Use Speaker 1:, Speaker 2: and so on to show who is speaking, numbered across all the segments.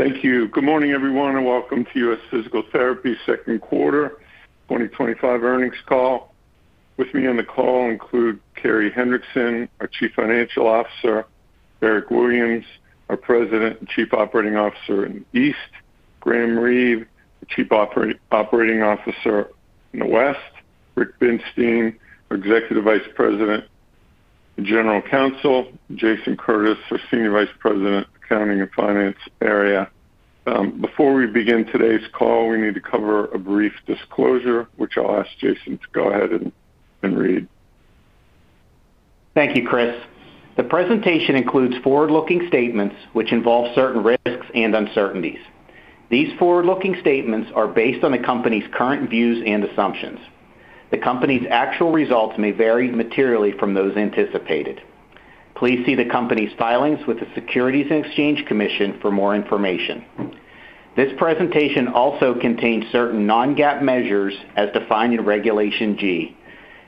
Speaker 1: Thank you. Good morning, everyone, and welcome to U.S. Physical Therapy Second Quarter 2025 Earnings Call. With me on the call include Carey Hendrickson, our Chief Financial Officer, Eric Williams, our President and Chief Operating Officer in the East, Graham Reeve, the Chief Operating Officer in the West, Rick Binstein, our Executive Vice President and General Counsel, and Jason Curtis, our Senior Vice President, Accounting and Finance Area. Before we begin today's call, we need to cover a brief disclosure, which I'll ask Jason to go ahead and read.
Speaker 2: Thank you, Chris. The presentation includes forward-looking statements, which involve certain risks and uncertainties. These forward-looking statements are based on the company's current views and assumptions. The company's actual results may vary materially from those anticipated. Please see the company's filings with the Securities and Exchange Commission for more information. This presentation also contains certain non-GAAP measures as defined in Regulation G,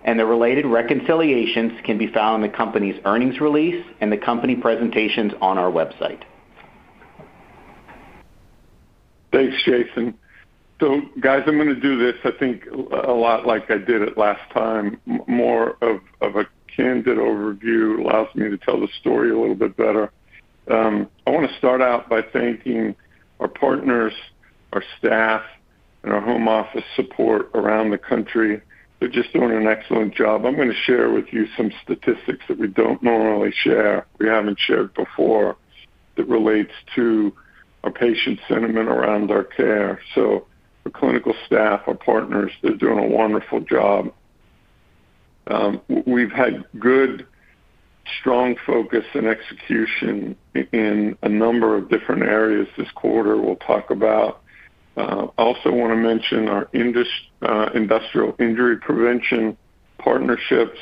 Speaker 2: and the related reconciliations can be found in the company's earnings release and the company presentations on our website.
Speaker 1: Thanks, Jason. Guys, I'm going to do this, I think, a lot like I did it last time. More of a candid overview allows me to tell the story a little bit better. I want to start out by thanking our partners, our staff, and our home office support around the country. They're just doing an excellent job. I'm going to share with you some statistics that we don't normally share, we haven't shared before, that relates to our patient sentiment around our care. Our clinical staff, our partners, they're doing a wonderful job. We've had good, strong focus and execution in a number of different areas this quarter we'll talk about. I also want to mention our industrial injury prevention partnerships.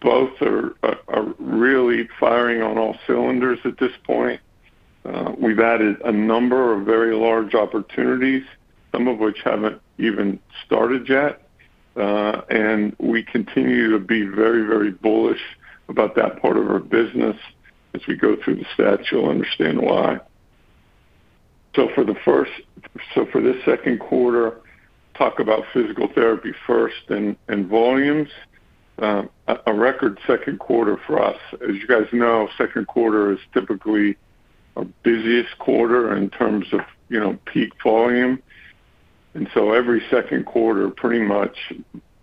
Speaker 1: Both are really firing on all cylinders at this point. We've added a number of very large opportunities, some of which haven't even started yet. We continue to be very, very bullish about that part of our business. As we go through the stats, you'll understand why. For this second quarter, talk about physical therapy first and volumes. A record second quarter for us, as you guys know, second quarter is typically our busiest quarter in terms of, you know, peak volume. Every second quarter, pretty much,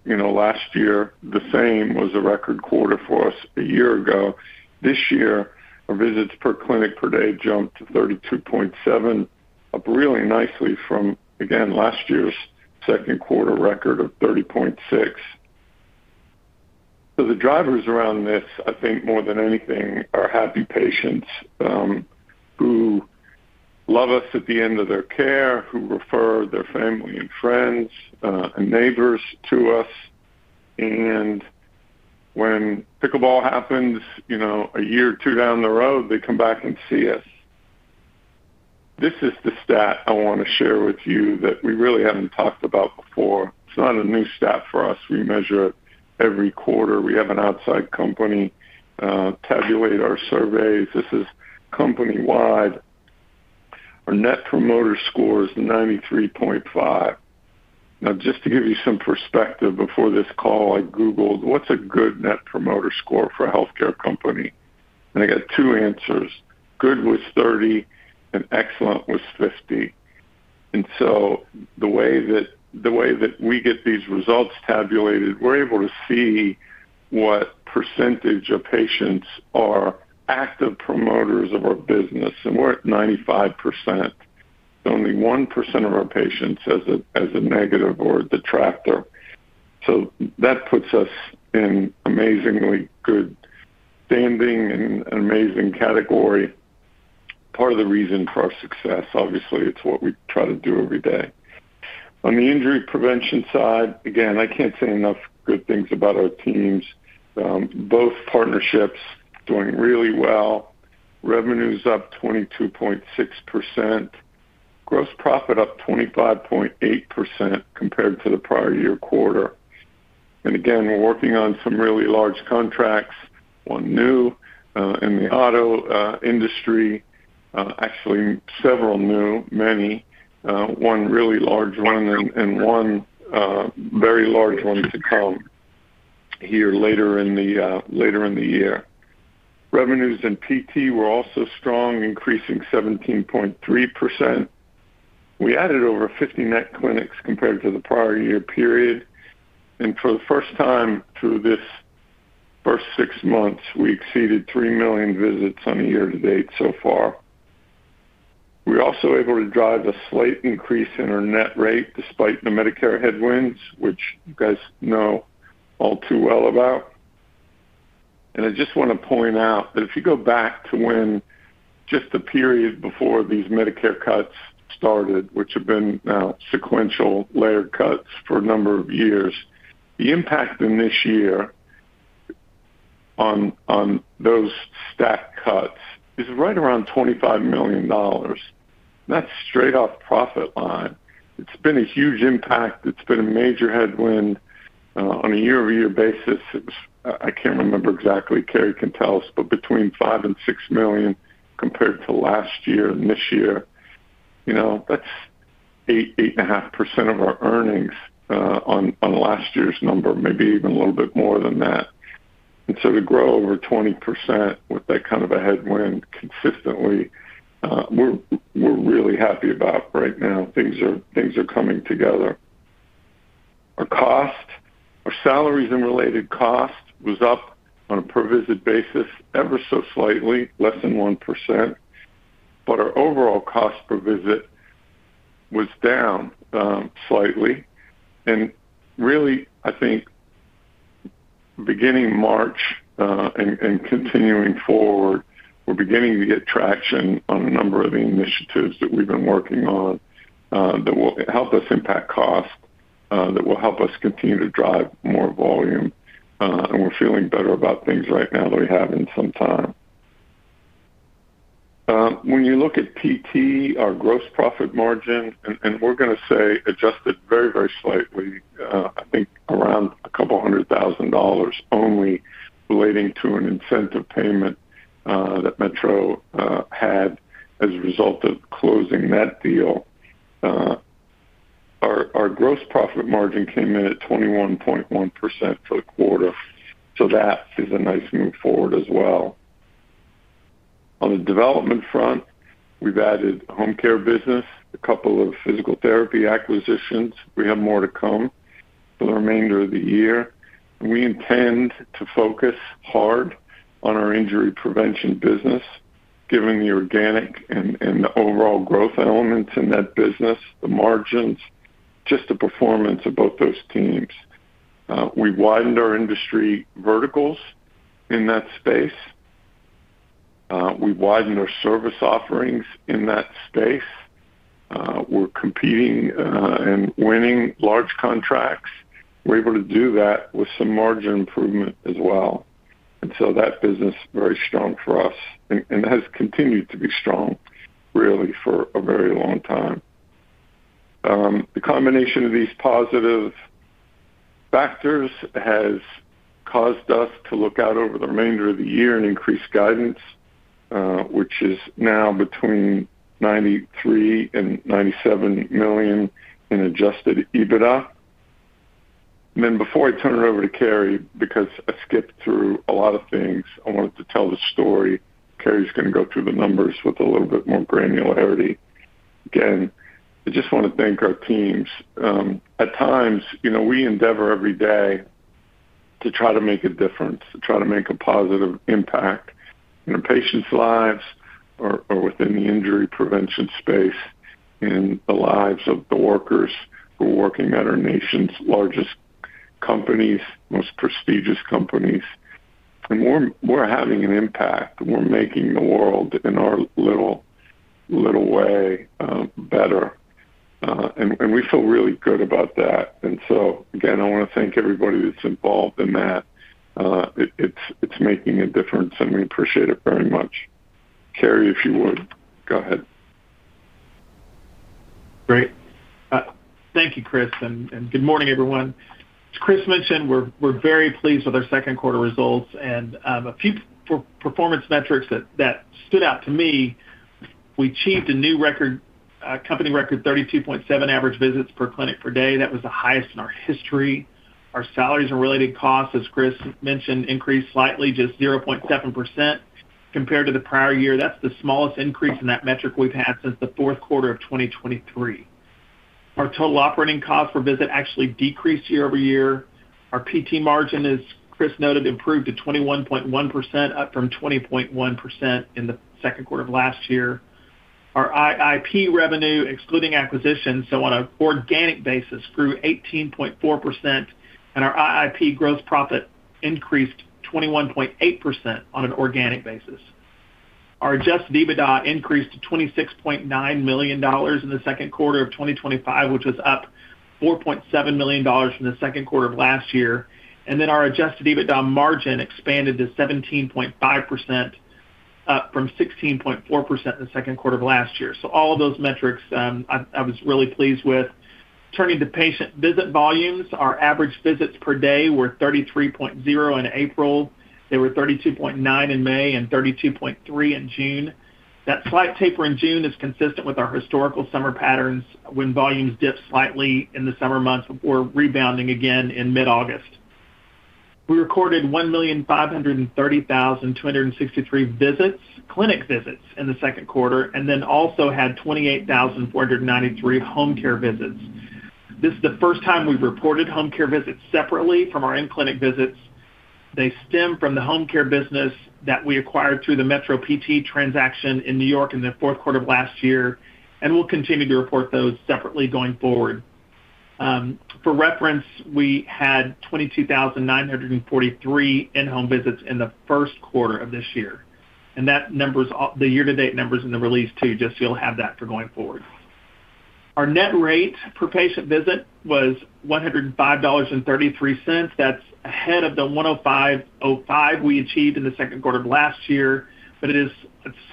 Speaker 1: you know, last year, the same was a record quarter for us a year ago. This year, our visits per clinic per day jumped to 32.7, up really nicely from, again, last year's second quarter record of 30.6. The drivers around this, I think more than anything, are happy patients who love us at the end of their care, who refer their family and friends and neighbors to us. When pickleball happens, you know, a year or two down the road, they come back and see us. This is the stat I want to share with you that we really have not talked about before. It is not a new stat for us. We measure it every quarter. We have an outside company tabulate our surveys. This is company-wide. Our net promoter score is 93.5. Now, just to give you some perspective, before this call, I Googled, "What is a good net promoter score for a healthcare company?" and I got two answers: good was 30 and excellent was 50. The way that we get these results tabulated, we are able to see what percentage of patients are active promoters of our business, and we are at 95%. Only 1% of our patients is a negative or a detractor. That puts us in amazingly good. Standing and an amazing category. Part of the reason for our success, obviously, it's what we try to do every day. On the injury prevention side, again, I can't say enough good things about our teams. Both partnerships doing really well. Revenues up 22.6%. Gross profit up 25.8% compared to the prior year quarter. Again, we're working on some really large contracts, one new in the auto industry, actually several new, many. One really large one and one very large one to come here later in the year. Revenues in PT were also strong, increasing 17.3%. We added over 50 net clinics compared to the prior year period. For the first time through this first six months, we exceeded three million visits on a year-to-date so far. We're also able to drive a slight increase in our net rate despite the Medicare headwinds, which you guys know all too well about. I just want to point out that if you go back to when just the period before these Medicare cuts started, which have been now sequential layered cuts for a number of years, the impact in this year on those stacked cuts is right around $25 million. That's straight off profit line. It's been a huge impact. It's been a major headwind. On a year-over-year basis, it was—I can't remember exactly, Carey can tell us—but between $5 million and $6 million compared to last year and this year. You know, that's 8%-8.5% of our earnings on last year's number, maybe even a little bit more than that. To grow over 20% with that kind of a headwind consistently. We're really happy about right now. Things are—things are coming together. Our cost, our salaries and related costs was up on a per-visit basis ever so slightly, less than 1%. But our overall cost per visit was down slightly. And really, I think beginning March and continuing forward, we're beginning to get traction on a number of the initiatives that we've been working on that will help us impact cost, that will help us continue to drive more volume. We're feeling better about things right now than we have in some time. When you look at PT, our gross profit margin, and we're going to say adjusted very, very slightly, I think around a couple hundred thousand dollars only relating to an incentive payment that Metro had as a result of closing that deal. Our gross profit margin came in at 21.1% for the quarter. That is a nice move forward as well. On the development front, we've added a home care business, a couple of physical therapy acquisitions. We have more to come for the remainder of the year. We intend to focus hard on our injury prevention business. Given the organic and the overall growth elements in that business, the margins, just the performance of both those teams. We widened our industry verticals in that space. We widened our service offerings in that space. We're competing and winning large contracts. We're able to do that with some margin improvement as well. That business is very strong for us and has continued to be strong really for a very long time. The combination of these positive factors has caused us to look out over the remainder of the year and increase guidance, which is now between $93 million and $97 million in adjusted EBITDA. And then before I turn it over to Carey, because I skipped through a lot of things, I wanted to tell the story. Carey's going to go through the numbers with a little bit more granularity. Again, I just want to thank our teams. At times, you know, we endeavor every day to try to make a difference, to try to make a positive impact in our patients' lives or within the injury prevention space, in the lives of the workers who are working at our nation's largest companies, most prestigious companies. We're having an impact. We're making the world in our little, little way better. We feel really good about that. Again, I want to thank everybody that's involved in that. It's making a difference, and we appreciate it very much. Carey, if you would, go ahead.
Speaker 3: Great. Thank you, Chris. Good morning, everyone. As Chris mentioned, we're very pleased with our second quarter results. A few performance metrics that stood out to me, we achieved a new record, company record, 32.7 average visits per clinic per day. That was the highest in our history. Our salaries and related costs, as Chris mentioned, increased slightly, just 0.7% compared to the prior year. That's the smallest increase in that metric we've had since the fourth quarter of 2023. Our total operating cost per visit actually decreased year-over-year. Our PT margin, as Chris noted, improved to 21.1%, up from 20.1% in the second quarter of last year. Our IIP revenue, excluding acquisitions, so on an organic basis, grew 18.4%. Our IIP gross profit increased 21.8% on an organic basis. Our adjusted EBITDA increased to $26.9 million in the second quarter of 2025, which was up $4.7 million from the second quarter of last year. Our adjusted EBITDA margin expanded to 17.5%, up from 16.4% in the second quarter of last year. All of those metrics I was really pleased with. Turning to patient visit volumes, our average visits per day were 33.0 in April. They were 32.9 in May and 32.3 in June. That slight taper in June is consistent with our historical summer patterns when volumes dipped slightly in the summer months before rebounding again in mid-August. We recorded 1,530,263 clinic visits in the second quarter and then also had 28,493 home care visits. This is the first time we've reported home care visits separately from our in-clinic visits. They stem from the home care business that we acquired through the Metro PT transaction in New York in the fourth quarter of last year, and we'll continue to report those separately going forward. For reference, we had 22,943 in-home visits in the first quarter of this year. That number's the year-to-date numbers in the release too, just so you'll have that for going forward. Our net rate per patient visit was $105.33. That's ahead of the $105.05 we achieved in the second quarter of last year, but it is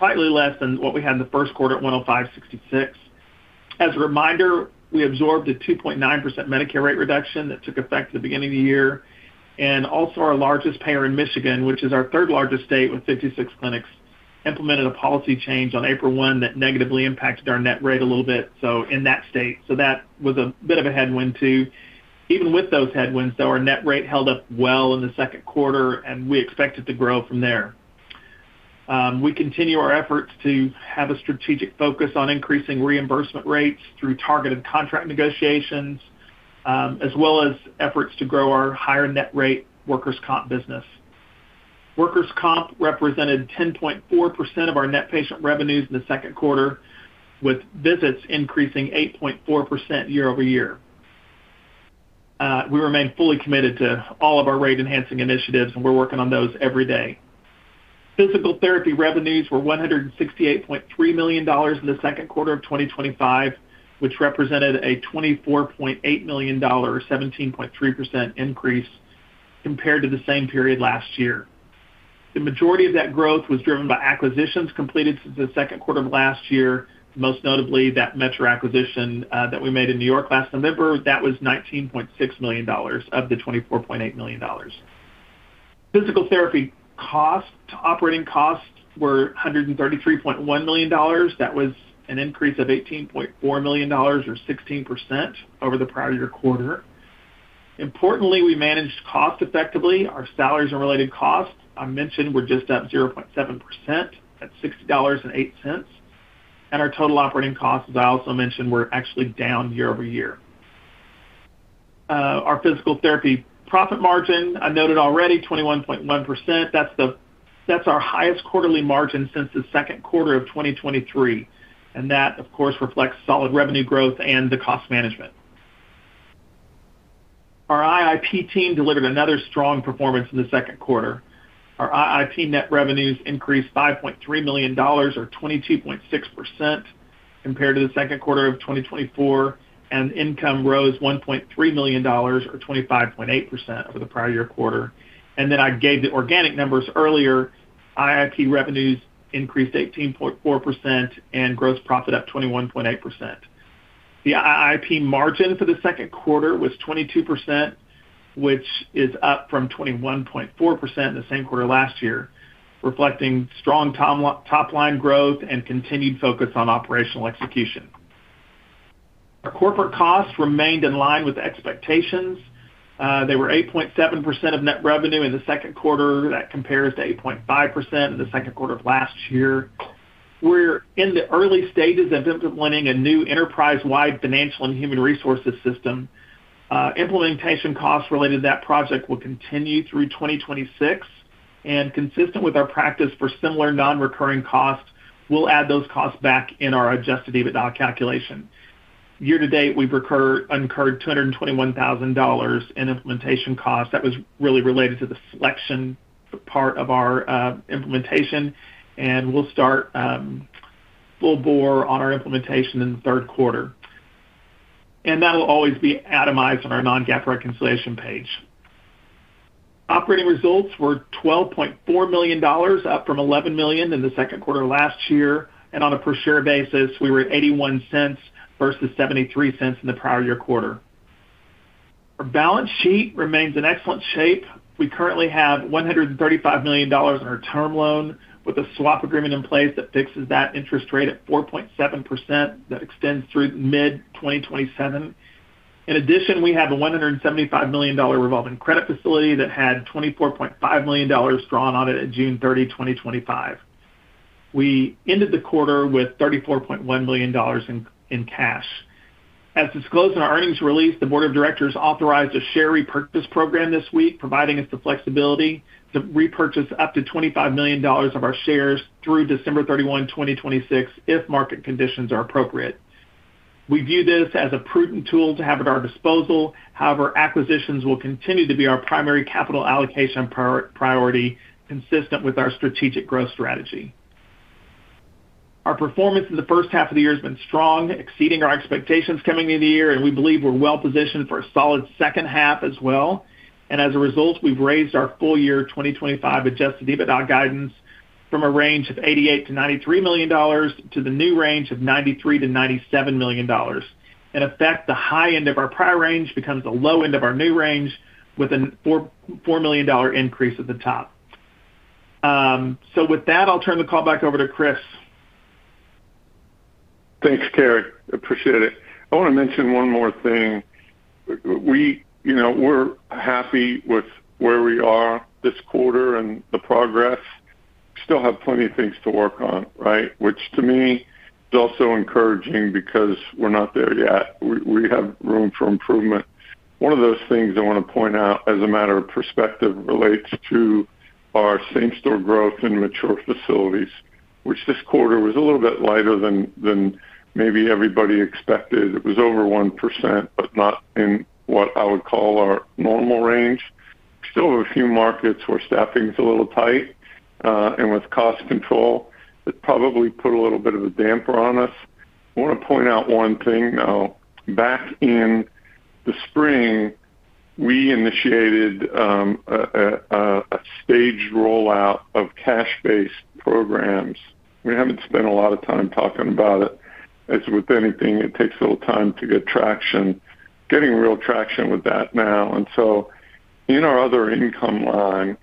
Speaker 3: slightly less than what we had in the first quarter at $105.66. As a reminder, we absorbed a 2.9% Medicare rate reduction that took effect at the beginning of the year. Our largest payer in Michigan, which is our third largest state with 56 clinics, implemented a policy change on April 1 that negatively impacted our net rate a little bit. In that state, that was a bit of a headwind too. Even with those headwinds, though, our net rate held up well in the second quarter, and we expect it to grow from there. We continue our efforts to have a strategic focus on increasing reimbursement rates through targeted contract negotiations, as well as efforts to grow our higher net rate workers' comp business. Workers' comp represented 10.4% of our net patient revenues in the second quarter, with visits increasing 8.4% year-over-year. We remain fully committed to all of our rate-enhancing initiatives, and we are working on those every day. Physical therapy revenues were $168.3 million in the second quarter of 2025, which represented a $24.8 million, 17.3% increase compared to the same period last year. The majority of that growth was driven by acquisitions completed since the second quarter of last year, most notably that Metro acquisition that we made in New York last November. That was $19.6 million of the $24.8 million. Physical therapy operating costs were $133.1 million. That was an increase of $18.4 million or 16% over the prior year quarter. Importantly, we managed cost effectively our salaries and related costs. I mentioned we're just up 0.7% at $60.08. And our total operating costs, as I also mentioned, were actually down year over year. Our physical therapy profit margin, I noted already, 21.1%. That's our highest quarterly margin since the second quarter of 2023. That, of course, reflects solid revenue growth and the cost management. Our IIP team delivered another strong performance in the second quarter. Our IIP net revenues increased $5.3 million or 22.6% compared to the second quarter of 2024. Income rose $1.3 million or 25.8% over the prior year quarter. I gave the organic numbers earlier. IIP revenues increased 18.4% and gross profit up 21.8%. The IIP margin for the second quarter was 22%, which is up from 21.4% in the same quarter last year, reflecting strong top line growth and continued focus on operational execution. Our corporate costs remained in line with expectations. They were 8.7% of net revenue in the second quarter. That compares to 8.5% in the second quarter of last year. We're in the early stages of implementing a new enterprise-wide financial and human resources system. Implementation costs related to that project will continue through 2026. Consistent with our practice for similar non-recurring costs, we'll add those costs back in our adjusted EBITDA calculation. Year to date, we've incurred $221,000 in implementation costs. That was really related to the selection part of our implementation. We'll start full bore on our implementation in the third quarter. That'll always be itemized on our non-GAAP reconciliation page. Operating results were $12.4 million, up from $11 million in the second quarter of last year. On a per share basis, we were at $0.81 versus $0.73 in the prior year quarter. Our balance sheet remains in excellent shape. We currently have $135 million in our term loan with a swap agreement in place that fixes that interest rate at 4.7% that extends through mid-2027. In addition, we have a $175 million revolving credit facility that had $24.5 million drawn on it at June 30, 2025. We ended the quarter with $34.1 million in cash. As disclosed in our earnings release, the Board of Directors authorized a share repurchase program this week, providing us the flexibility to repurchase up to $25 million of our shares through December 31, 2026, if market conditions are appropriate. We view this as a prudent tool to have at our disposal. However, acquisitions will continue to be our primary capital allocation priority, consistent with our strategic growth strategy. Our performance in the first half of the year has been strong, exceeding our expectations coming into the year. We believe we're well positioned for a solid second half as well. As a result, we've raised our full year 2025 adjusted EBITDA guidance from a range of $88 million-$93 million to the new range of $93 million-$97 million. In effect, the high end of our prior range becomes the low end of our new range with a $4 million increase at the top. With that, I'll turn the call back over to Chris.
Speaker 1: Thanks, Carey. Appreciate it. I want to mention one more thing. We're happy with where we are this quarter and the progress. We still have plenty of things to work on, right? Which, to me, is also encouraging because we're not there yet. We have room for improvement. One of those things I want to point out as a matter of perspective relates to our same-store growth and mature facilities, which this quarter was a little bit lighter than maybe everybody expected. It was over 1%, but not in what I would call our normal range. We still have a few markets where staffing is a little tight. With cost control, it probably put a little bit of a damper on us. I want to point out one thing now. Back in the spring, we initiated a staged rollout of cash-based programs. We haven't spent a lot of time talking about it. As with anything, it takes a little time to get traction, getting real traction with that now. In our other income line,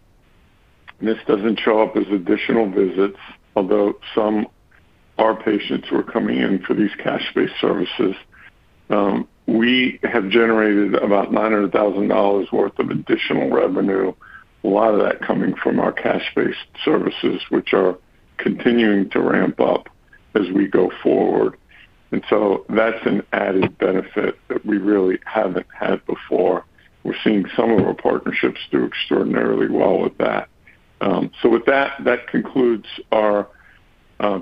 Speaker 1: this doesn't show up as additional visits, although some of our patients were coming in for these cash-based services. We have generated about $900,000 worth of additional revenue, a lot of that coming from our cash-based services, which are continuing to ramp up as we go forward. That's an added benefit that we really haven't had before. We're seeing some of our partnerships do extraordinarily well with that. That concludes our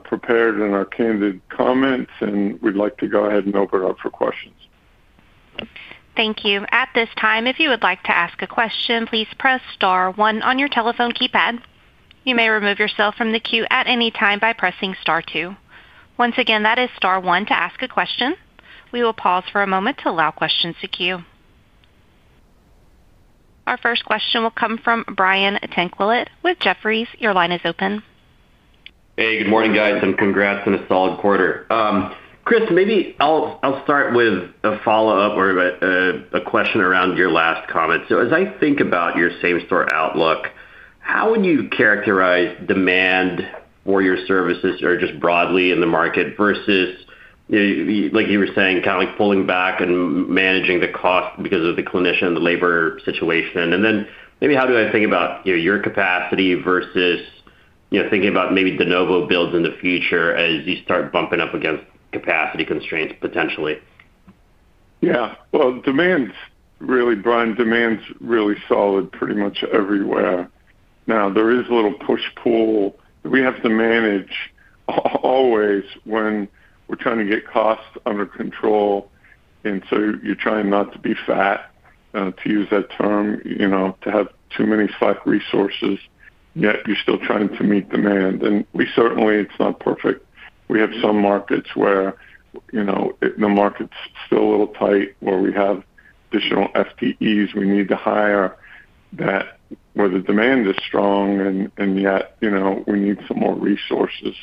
Speaker 1: prepared and our candid comments. We'd like to go ahead and open it up for questions.
Speaker 4: Thank you. At this time, if you would like to ask a question, please press star one on your telephone keypad. You may remove yourself from the queue at any time by pressing star two. Once again, that is star one to ask a question. We will pause for a moment to allow questions to queue. Our first question will come from Brian Tanquilut with Jefferies. Your line is open.
Speaker 5: Hey, good morning, guys. Congrats on a solid quarter. Chris, maybe I'll start with a follow-up or a question around your last comment. As I think about your same-store outlook, how would you characterize demand for your services or just broadly in the market versus, like you were saying, kind of like pulling back and managing the cost because of the clinician and the labor situation? Maybe how do I think about your capacity versus thinking about maybe de novo builds in the future as you start bumping up against capacity constraints potentially?
Speaker 1: Yeah. Demand's really, Brian, demand's really solid pretty much everywhere. There is a little push-pull that we have to manage. Always when we're trying to get costs under control. You're trying not to be fat, to use that term, to have too many FTE resources, yet you're still trying to meet demand. We certainly, it's not perfect. We have some markets where the market's still a little tight, where we have additional FTEs we need to hire where the demand is strong and yet we need some more resources.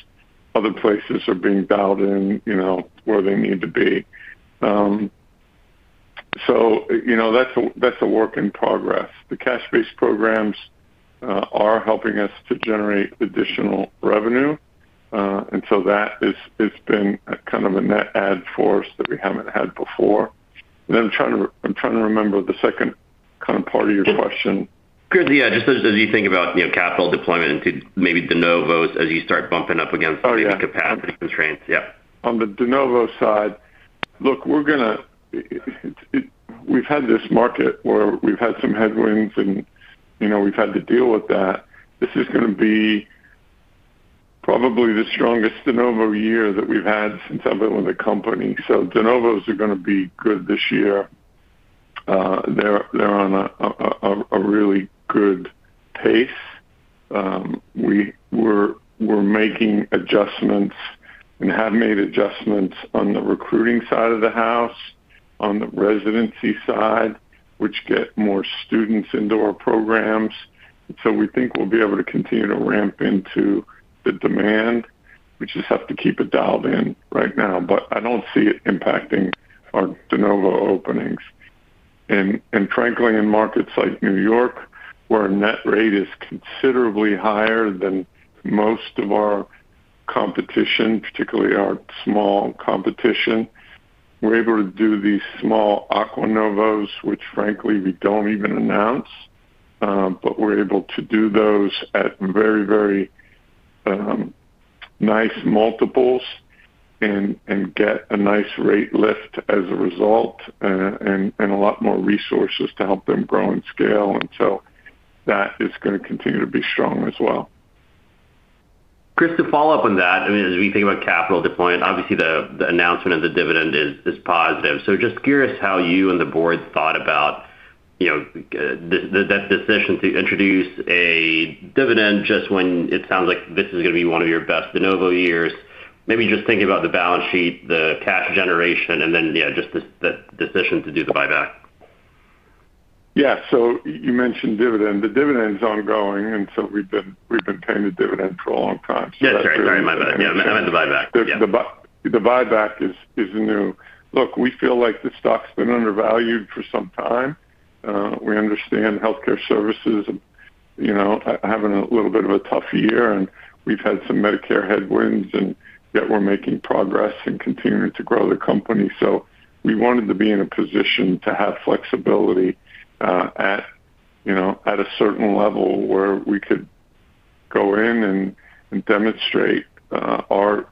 Speaker 1: Other places are being dialed in where they need to be. That's a work in progress. The cash-based programs are helping us to generate additional revenue. That has been kind of a net add for us that we haven't had before. I'm trying to remember the second kind of part of your question.
Speaker 5: Chris, yeah, just as you think about capital deployment into maybe de novos as you start bumping up against maybe capacity constraints.
Speaker 1: On the de novo side, look, we're going to. We've had this market where we've had some headwinds and we've had to deal with that. This is going to be. Probably the strongest de novo year that we've had since I've been with the company. De novos are going to be good this year. They're on a really good pace. We're making adjustments and have made adjustments on the recruiting side of the house, on the residency side, which get more students into our programs. We think we'll be able to continue to ramp into the demand, which we just have to keep dialed in right now. I don't see it impacting our de novo openings. Frankly, in markets like New York, where net rate is considerably higher than most of our competition, particularly our small competition. We're able to do these small aqua novos, which frankly, we don't even announce. We're able to do those at very, very nice multiples and get a nice rate lift as a result. A lot more resources to help them grow and scale. That is going to continue to be strong as well.
Speaker 5: Chris, to follow up on that, I mean, as we think about capital deployment, obviously, the announcement of the dividend is positive. Just curious how you and the board thought about that decision to introduce a dividend just when it sounds like this is going to be one of your best de novo years, maybe just thinking about the balance sheet, the cash generation, and then just the decision to do the buyback.
Speaker 1: Yeah. You mentioned dividend. The dividend's ongoing. We've been paying the dividend for a long time.
Speaker 5: Yeah, sorry. Sorry. I meant the buyback.
Speaker 1: The buyback is new. Look, we feel like the stock's been undervalued for some time. We understand healthcare services having a little bit of a tough year. We've had some Medicare headwinds. Yet we're making progress and continuing to grow the company. We wanted to be in a position to have flexibility at a certain level where we could go in and demonstrate our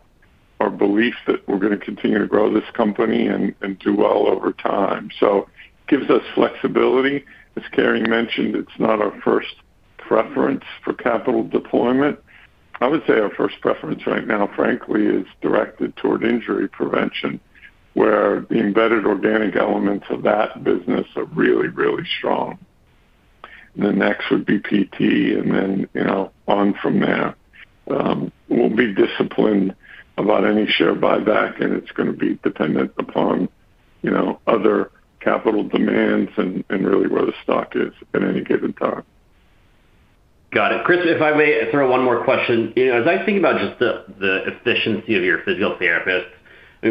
Speaker 1: belief that we're going to continue to grow this company and do well over time. It gives us flexibility. As Carey mentioned, it's not our first preference for capital deployment. I would say our first preference right now, frankly, is directed toward injury prevention, where the embedded organic elements of that business are really, really strong. The next would be PT and then on from there. We'll be disciplined about any share buyback. It's going to be dependent upon. Other capital demands and really where the stock is at any given time.
Speaker 5: Got it. Chris, if I may throw one more question. As I think about just the efficiency of your physical therapists, I mean,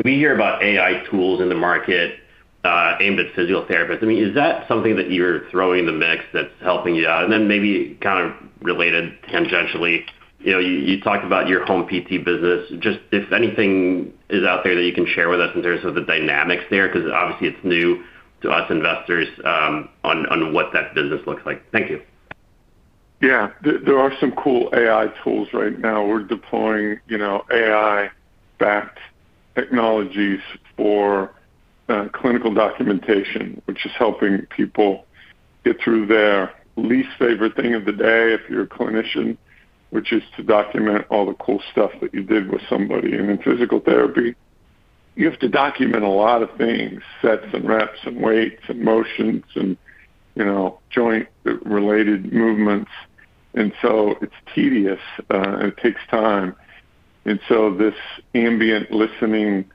Speaker 5: we hear about AI tools in the market. Aimed at physical therapists. I mean, is that something that you're throwing in the mix that's helping you out? Maybe kind of related tangentially, you talked about your home PT business. Just if anything is out there that you can share with us in terms of the dynamics there, because obviously, it's new to us investors. On what that business looks like. Thank you.
Speaker 1: Yeah. There are some cool AI tools right now. We're deploying AI-backed technologies for clinical documentation, which is helping people get through their least favorite thing of the day if you're a clinician, which is to document all the cool stuff that you did with somebody. In physical therapy, you have to document a lot of things, sets and reps and weights and motions and joint-related movements. It is tedious. It takes time. This ambient listening,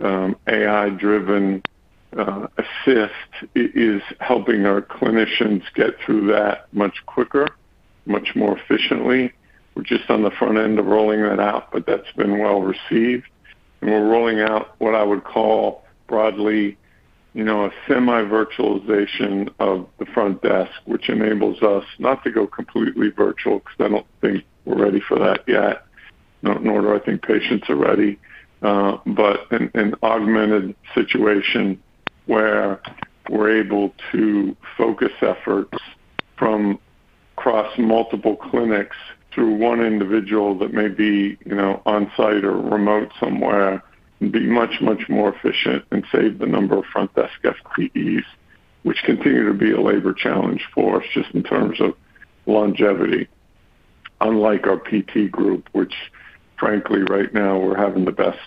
Speaker 1: AI-driven assist is helping our clinicians get through that much quicker, much more efficiently. We're just on the front end of rolling that out, but that's been well received. We're rolling out what I would call broadly a semi-virtualization of the front desk, which enables us not to go completely virtual because I don't think we're ready for that yet. Nor do I think patients are ready. An augmented situation where we're able to focus efforts from across multiple clinics through one individual that may be on-site or remote somewhere and be much, much more efficient and save the number of front desk FTEs, which continue to be a labor challenge for us just in terms of longevity. Unlike our PT group, which frankly, right now, we're having the best,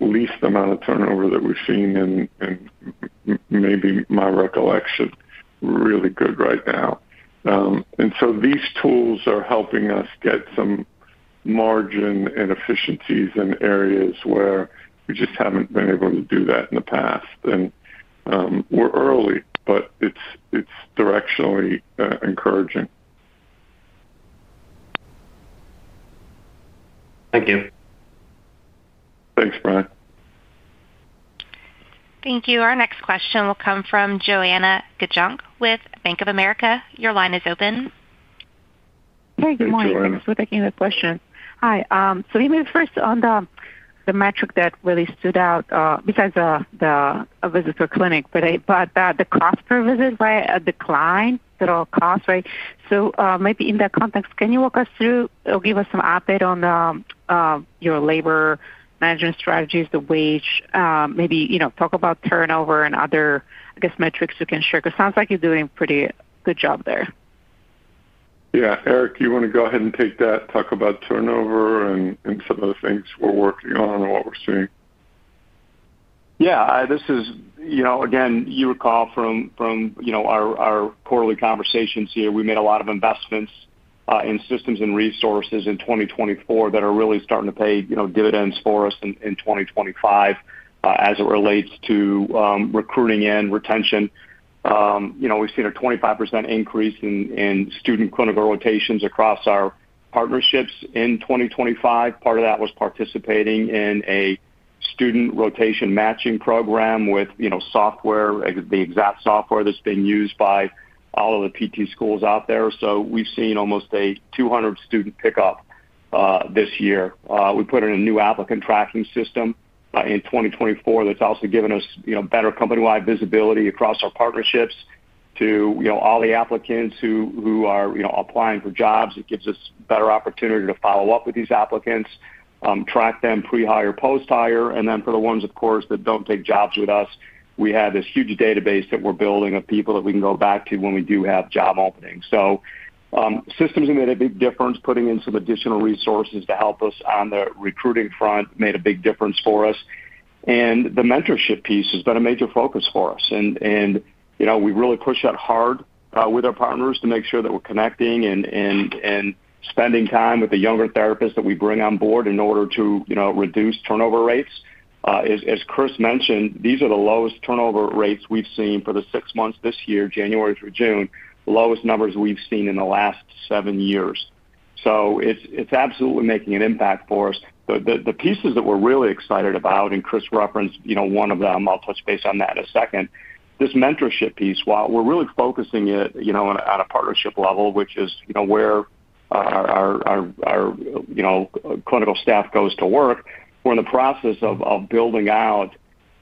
Speaker 1: least amount of turnover that we've seen in maybe my recollection. We're really good right now. These tools are helping us get some margin and efficiencies in areas where we just haven't been able to do that in the past. We're early, but it's directionally encouraging.
Speaker 5: Thank you.
Speaker 1: Thanks, Brian.
Speaker 4: Thank you. Our next question will come from Joanna Gajuk with Bank of America. Your line is open.
Speaker 1: Hi.
Speaker 6: Good morning. We're taking the questions. Hi. Let me first on the metric that really stood out besides the visit to a clinic, but the cost per visit, right, a decline to all costs, right? Maybe in that context, can you walk us through or give us some update on your labor management strategies, the wage, maybe talk about turnover and other, I guess, metrics you can share? Because it sounds like you're doing a pretty good job there.
Speaker 1: Yeah. Eric, you want to go ahead and take that, talk about turnover and some of the things we're working on and what we're seeing?
Speaker 7: Yeah. This is, again, you recall from our quarterly conversations here, we made a lot of investments in systems and resources in 2024 that are really starting to pay dividends for us in 2025 as it relates to recruiting and retention. We've seen a 25% increase in student clinical rotations across our partnerships in 2025. Part of that was participating in a student rotation matching program with software, the exact software that's being used by all of the PT schools out there. We've seen almost a 200-student pickup this year. We put in a new applicant tracking system in 2024 that's also given us better company-wide visibility across our partnerships to all the applicants who are applying for jobs. It gives us better opportunity to follow up with these applicants, track them pre-hire or post-hire. For the ones, of course, that do not take jobs with us, we have this huge database that we are building of people that we can go back to when we do have job openings. Systems have made a big difference, putting in some additional resources to help us on the recruiting front made a big difference for us. The mentorship piece has been a major focus for us. We really push that hard with our partners to make sure that we are connecting and spending time with the younger therapists that we bring on board in order to reduce turnover rates. As Chris mentioned, these are the lowest turnover rates we have seen for the six months this year, January through June, the lowest numbers we have seen in the last seven years. It is absolutely making an impact for us. The pieces that we're really excited about, and Chris referenced one of them, I'll touch base on that in a second, this mentorship piece, while we're really focusing it on a partnership level, which is where our clinical staff goes to work, we're in the process of building out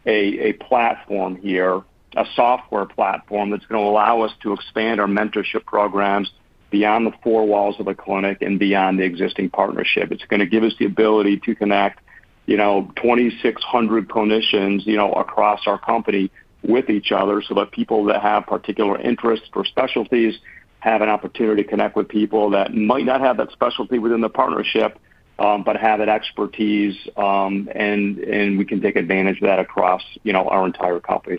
Speaker 7: a platform here, a software platform that's going to allow us to expand our mentorship programs beyond the four walls of the clinic and beyond the existing partnership. It's going to give us the ability to connect 2,600 clinicians across our company with each other so that people that have particular interests or specialties have an opportunity to connect with people that might not have that specialty within the partnership but have that expertise. We can take advantage of that across our entire company.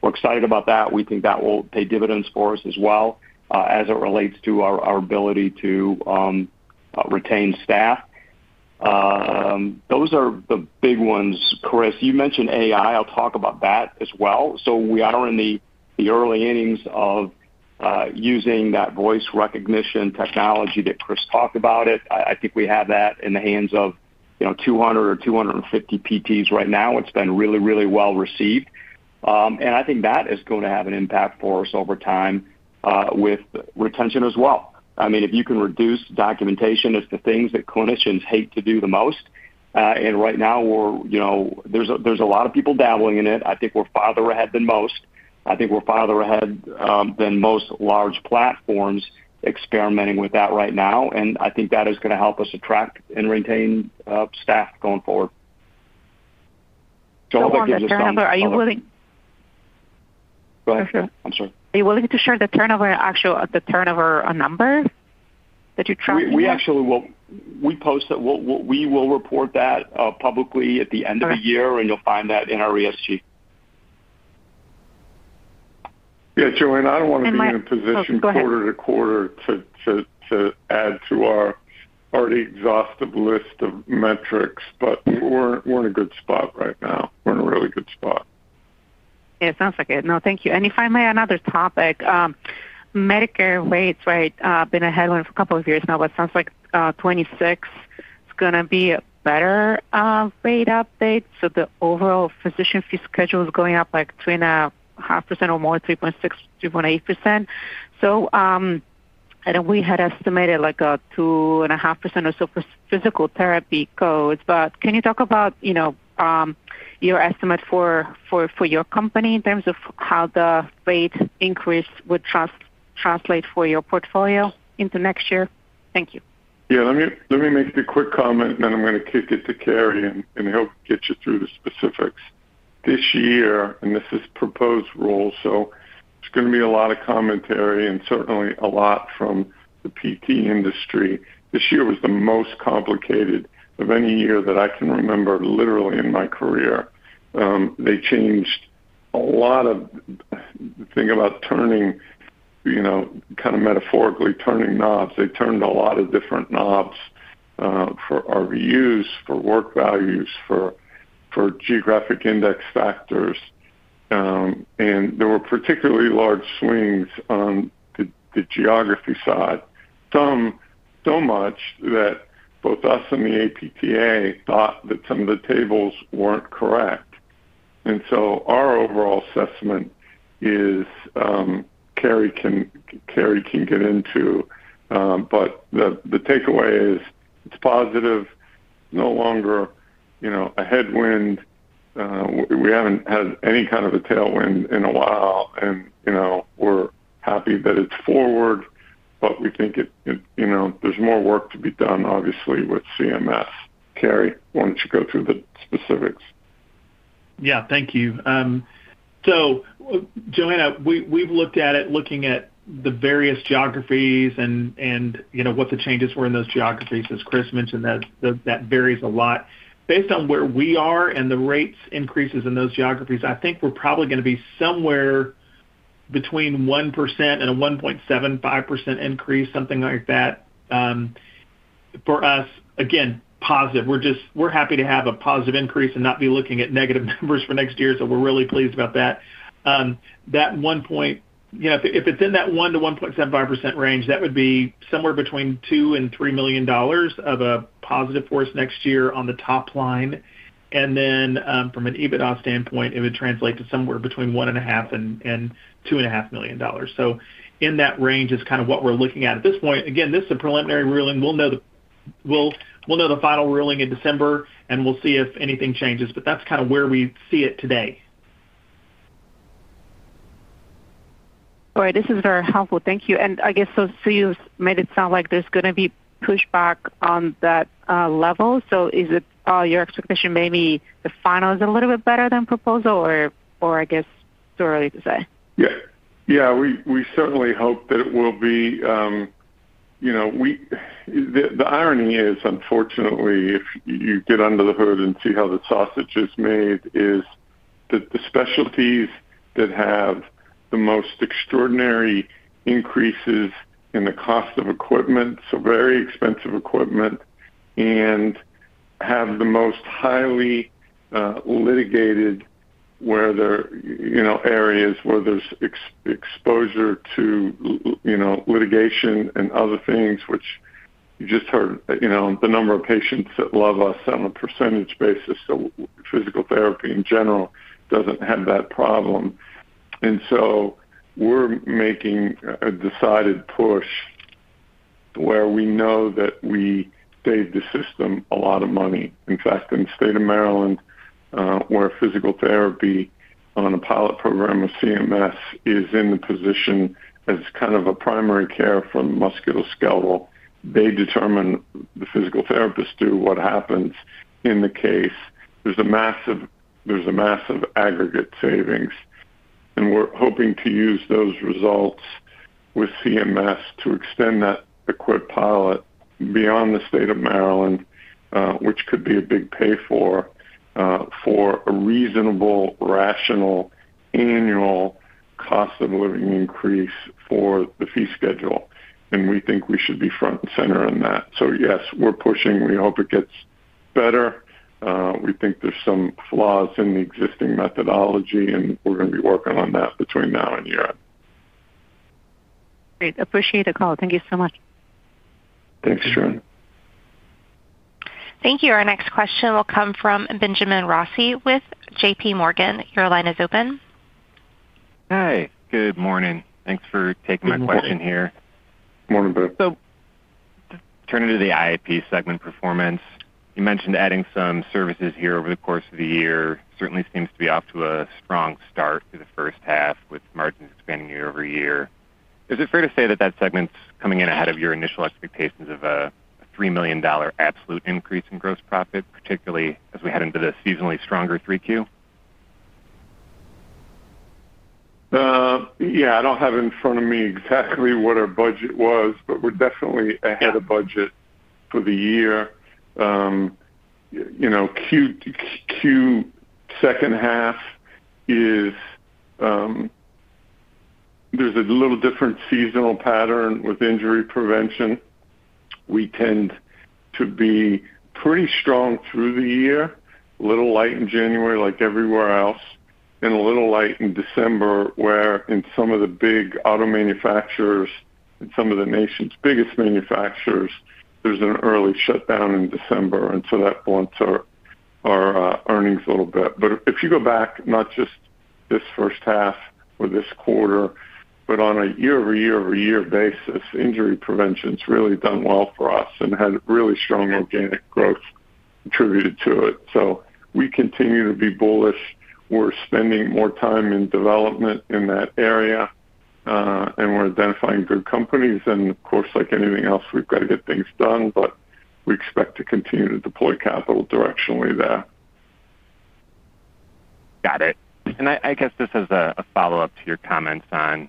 Speaker 7: We're excited about that. We think that will pay dividends for us as well as it relates to our ability to retain staff. Those are the big ones, Chris. You mentioned AI. I'll talk about that as well. We are in the early innings of using that voice recognition technology that Chris talked about. I think we have that in the hands of 200 or 250 PTs right now. It's been really, really well received. I think that is going to have an impact for us over time with retention as well. I mean, if you can reduce documentation, it's the things that clinicians hate to do the most. Right now, there's a lot of people dabbling in it. I think we're farther ahead than most. I think we're farther ahead than most large platforms experimenting with that right now. I think that is going to help us attract and retain staff going forward. All that gives us some.
Speaker 6: For turnover, are you willing?
Speaker 7: Go ahead.
Speaker 6: Go ahead.
Speaker 7: I'm sorry.
Speaker 6: Are you willing to share the turnover number that you track?
Speaker 7: We will report that publicly at the end of the year. You'll find that in our ESG.
Speaker 1: Yeah. Joanna, I don't want to be in a position quarter-to-quarter to add to our already exhaustive list of metrics. But we're in a good spot right now. We're in a really good spot.
Speaker 6: Yeah. Sounds like it. No, thank you. If I may, another topic. Medicare rates, right, been a headline for a couple of years now, but it sounds like 2026 is going to be a better rate update. The overall physician fee schedule is going up like 2.5% or more, 3.6%, 3.8%. I think we had estimated like 2.5% or so for physical therapy codes. Can you talk about your estimate for your company in terms of how the rate increase would translate for your portfolio into next year? Thank you.
Speaker 1: Yeah. Let me make the quick comment, and then I'm going to kick it to Carey and help get you through the specifics. This year, and this is proposed rules, so there's going to be a lot of commentary and certainly a lot from the PT industry. This year was the most complicated of any year that I can remember literally in my career. They changed a lot of. Think about turning. Kind of metaphorically, turning knobs. They turned a lot of different knobs. For our views, for work values, for. Geographic index factors. And there were particularly large swings on the geography side, so much that both us and the APTA thought that some of the tables weren't correct. And so, our overall assessment is. Carey can get into. But the takeaway is it's positive. It's no longer. A headwind. We haven't had any kind of a tailwind in a while. We're happy that it's forward. We think there's more work to be done, obviously, with CMS. Carey, why don't you go through the specifics?
Speaker 3: Yeah. Thank you. So, Joanna, we've looked at it looking at the various geographies and what the changes were in those geographies. As Chris mentioned, that varies a lot. Based on where we are and the rate increases in those geographies, I think we're probably going to be somewhere between 1% and 1.75% increase, something like that. For us, again, positive. We're happy to have a positive increase and not be looking at negative numbers for next year. We're really pleased about that. That 1%. If it's in that 1%-1.75% range, that would be somewhere between $2 million and $3 million of a positive force next year on the top line. From an EBITDA standpoint, it would translate to somewhere between $1.5 million and $2.5 million. In that range is kind of what we're looking at at this point. Again, this is a preliminary ruling. We'll know the final ruling in December, and we'll see if anything changes. That's kind of where we see it today.
Speaker 6: All right. This is very helpful. Thank you. I guess, you made it sound like there's going to be pushback on that level. Is it your expectation maybe the final is a little bit better than proposal, or I guess too early to say?
Speaker 1: Yeah. Yeah. We certainly hope that it will be. The irony is, unfortunately, if you get under the hood and see how the sausage is made, is that the specialties that have the most extraordinary increases in the cost of equipment, so very expensive equipment. And have the most highly litigated areas where there's exposure to litigation and other things, which you just heard, the number of patients that love us on a percentage basis. So, physical therapy in general doesn't have that problem. We're making a decided push. Where we know that we saved the system a lot of money. In fact, in the state of Maryland, where physical therapy on a pilot program of CMS is in the position as kind of a primary care from musculoskeletal, they determine the physical therapist too what happens in the case. There's a massive aggregate savings. We're hoping to use those results with CMS to extend that pilot beyond the state of Maryland, which could be a big pay for. A reasonable, rational annual cost of living increase for the fee schedule. We think we should be front and center in that. Yes, we're pushing. We hope it gets better. We think there's some flaws in the existing methodology, and we're going to be working on that between now and year.
Speaker 6: Great. Appreciate the call. Thank you so much.
Speaker 1: Thanks, Joanne.
Speaker 4: Thank you. Our next question will come from Benjamin Rossi with JP Morgan. Your line is open.
Speaker 8: Hi. Good morning. Thanks for taking my question here.
Speaker 1: Morning, Brian.
Speaker 8: Turning to the IP segment performance, you mentioned adding some services here over the course of the year. Certainly seems to be off to a strong start through the first half with margins expanding year-over-year. Is it fair to say that that segment's coming in ahead of your initial expectations of a $3 million absolute increase in gross profit, particularly as we head into the seasonally stronger 3Q?
Speaker 1: Yeah. I don't have in front of me exactly what our budget was, but we're definitely ahead of budget for the year. Q. Second half is. There's a little different seasonal pattern with injury prevention. We tend to be pretty strong through the year, a little light in January like everywhere else, and a little light in December, where in some of the big auto manufacturers and some of the nation's biggest manufacturers, there's an early shutdown in December. That blunts our earnings a little bit. If you go back, not just this first half or this quarter, but on a year-over-year-over-year basis, injury prevention's really done well for us and had really strong organic growth attributed to it. We continue to be bullish. We're spending more time in development in that area. We're identifying good companies. Of course, like anything else, we've got to get things done. We expect to continue to deploy capital directionally there.
Speaker 8: Got it. I guess this is a follow-up to your comments on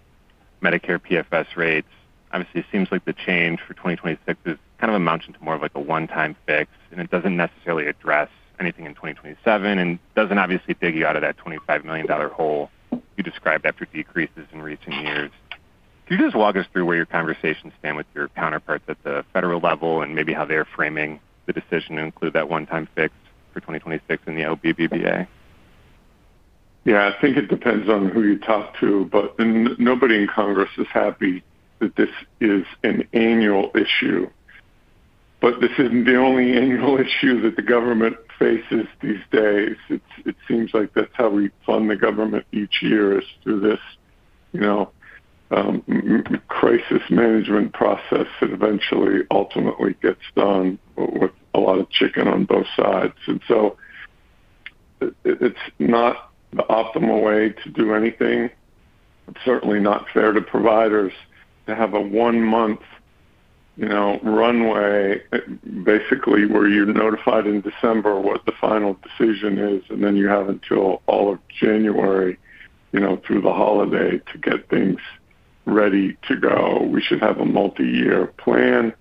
Speaker 8: Medicare PFS rates. Obviously, it seems like the change for 2026 is kind of a mountain to more of like a one-time fix. It does not necessarily address anything in 2027 and does not obviously dig you out of that $25 million hole you described after decreases in recent years. Can you just walk us through where your conversations stand with your counterparts at the federal level and maybe how they are framing the decision to include that one-time fix for 2026 in the OBBBA?
Speaker 1: Yeah. I think it depends on who you talk to. Nobody in Congress is happy that this is an annual issue. This is not the only annual issue that the government faces these days. It seems like that's how we fund the government each year is through this crisis management process that eventually ultimately gets done with a lot of chicken on both sides. It's not the optimal way to do anything. It's certainly not fair to providers to have a one-month runway, basically where you're notified in December what the final decision is, and then you have until all of January through the holiday to get things ready to go. We should have a multi-year plan.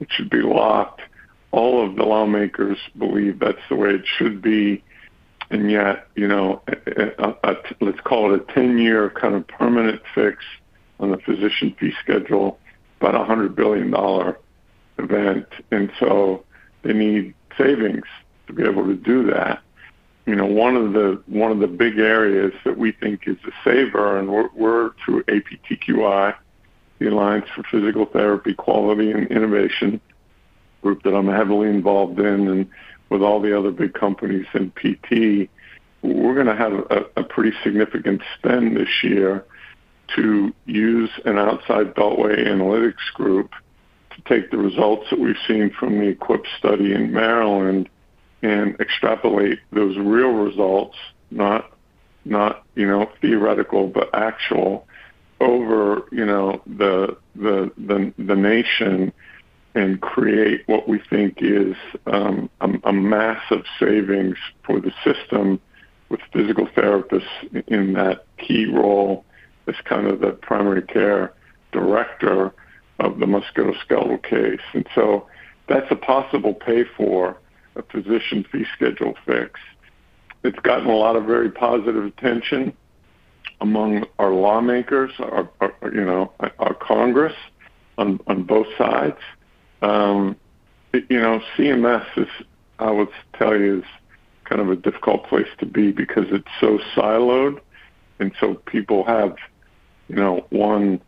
Speaker 1: It should be locked. All of the lawmakers believe that's the way it should be. And yet. Let's call it a 10-year kind of permanent fix on the physician fee schedule, about a $100 billion event. They need savings to be able to do that. One of the big areas that we think is a saver, and we're through APTQI, the Alliance for Physical Therapy Quality and Innovation, a group that I'm heavily involved in, and with all the other big companies in PT. We're going to have a pretty significant spend this year to use an outside Beltway analytics group to take the results that we've seen from the equipped study in Maryland and extrapolate those real results, not theoretical but actual, over the nation and create what we think is a massive savings for the system with physical therapists in that key role as kind of the primary care director of the musculoskeletal case. That's a possible pay for a physician fee schedule fix. It's gotten a lot of very positive attention among our lawmakers, our Congress, on both sides. CMS, I would tell you, is kind of a difficult place to be because it's so siloed. People have one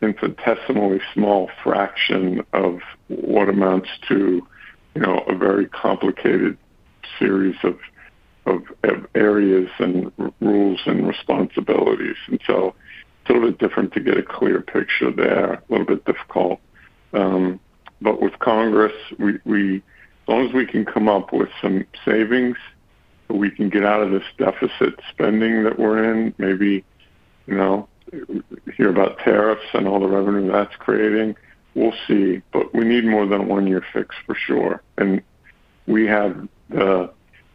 Speaker 1: infinitesimally small fraction of what amounts to a very complicated series of areas and rules and responsibilities. It's a little bit different to get a clear picture there, a little bit difficult. With Congress, as long as we can come up with some savings that we can get out of this deficit spending that we're in, maybe hear about tariffs and all the revenue that's creating, we'll see. We need more than a one-year fix for sure. We have the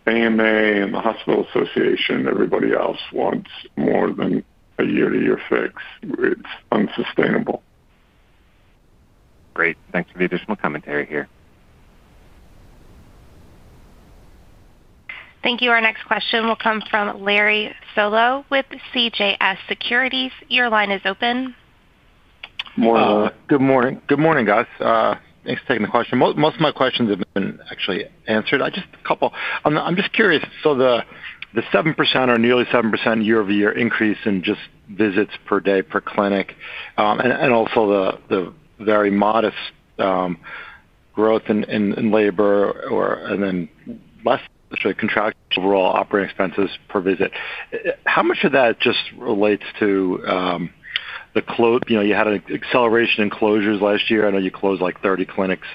Speaker 1: AMA and the hospital association and everybody else wants more than a year-to-year fix. It's unsustainable.
Speaker 8: Great. Thanks for the additional commentary here.
Speaker 4: Thank you. Our next question will come from Larry Solow with CJS Securities. Your line is open.
Speaker 9: Good morning, guys. Thanks for taking the question. Most of my questions have been actually answered. Just a couple. I'm just curious. So, the 7% or nearly 7% year-over-year increase in just visits per day per clinic, and also the very modest growth in labor. And then less contractual overall operating expenses per visit. How much of that just relates to the close? You had an acceleration in closures last year. I know you closed like 30 clinics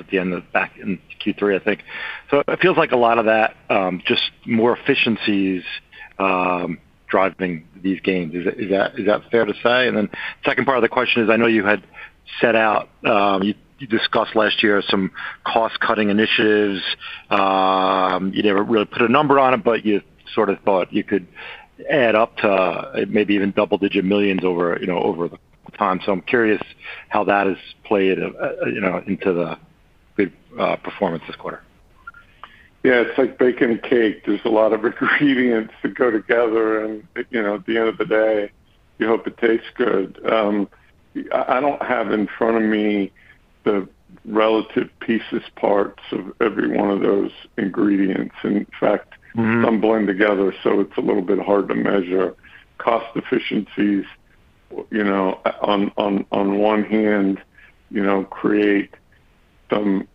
Speaker 9: back in Q3, I think. It feels like a lot of that just more efficiencies driving these gains. Is that fair to say? The second part of the question is, I know you had set out. You discussed last year some cost-cutting initiatives. You never really put a number on it, but you sort of thought you could add up to maybe even double-digit millions over the time. I'm curious how that has played into the good performance this quarter.
Speaker 1: Yeah. It's like baking a cake. There's a lot of ingredients that go together, and at the end of the day, you hope it tastes good. I don't have in front of me the relative pieces, parts of every one of those ingredients. In fact, some blend together, so it's a little bit hard to measure. Cost efficiencies, on one hand, create some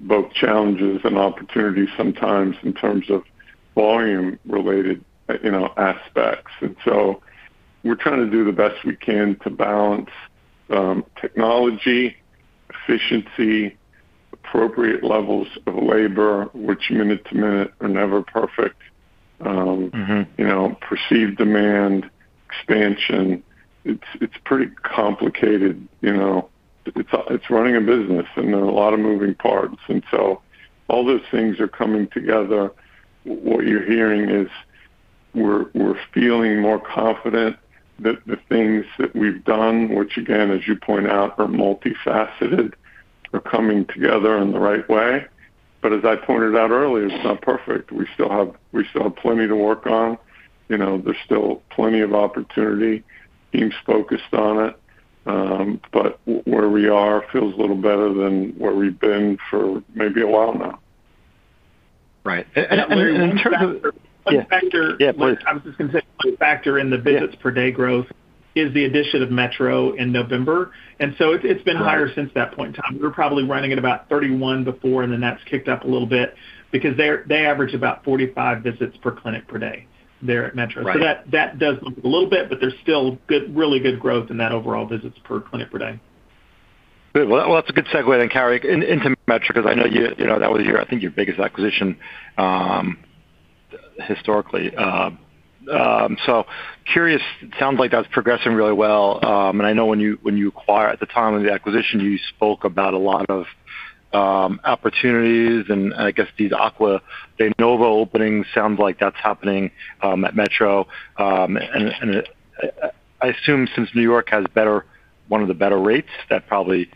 Speaker 1: both challenges and opportunities sometimes in terms of volume-related aspects. We're trying to do the best we can to balance technology, efficiency, appropriate levels of labor, which minute to minute are never perfect, perceived demand, expansion. It's pretty complicated. It's running a business, and there are a lot of moving parts. All those things are coming together. What you're hearing is. We're feeling more confident that the things that we've done, which again, as you point out, are multifaceted, are coming together in the right way. As I pointed out earlier, it's not perfect. We still have plenty to work on. There's still plenty of opportunity being focused on it. Where we are feels a little better than where we've been for maybe a while now.
Speaker 9: Right. In terms of. Yeah, please.
Speaker 3: I was just going to say, the factor in the visits per day growth is the addition of Metro in November. It has been higher since that point in time. We were probably running at about 31 before, and then that has kicked up a little bit because they average about 45 visits per clinic per day there at Metro. That does move a little bit, but there is still really good growth in that overall visits per clinic per day.
Speaker 9: Good. That is a good segue then, Carey, into Metro because I know that was, I think, your biggest acquisition historically. Curious, it sounds like that is progressing really well. I know when you acquired at the time of the acquisition, you spoke about a lot of opportunities. I guess these aqua de novo openings, sounds like that is happening at Metro. I assume since New York has one of the better rates, that probably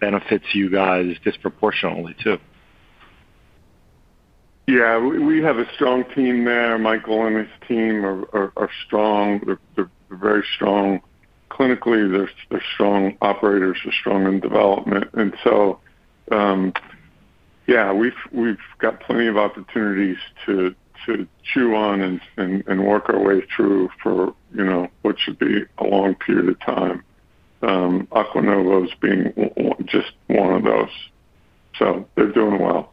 Speaker 9: benefits you guys disproportionately too.
Speaker 1: Yeah. We have a strong team there. Michael and his team are strong. They are very strong. Clinically, they are strong operators. They are strong in development. Yeah, we have plenty of opportunities to chew on and work our way through for what should be a long period of time. Aqua novo is just one of those. They are doing well.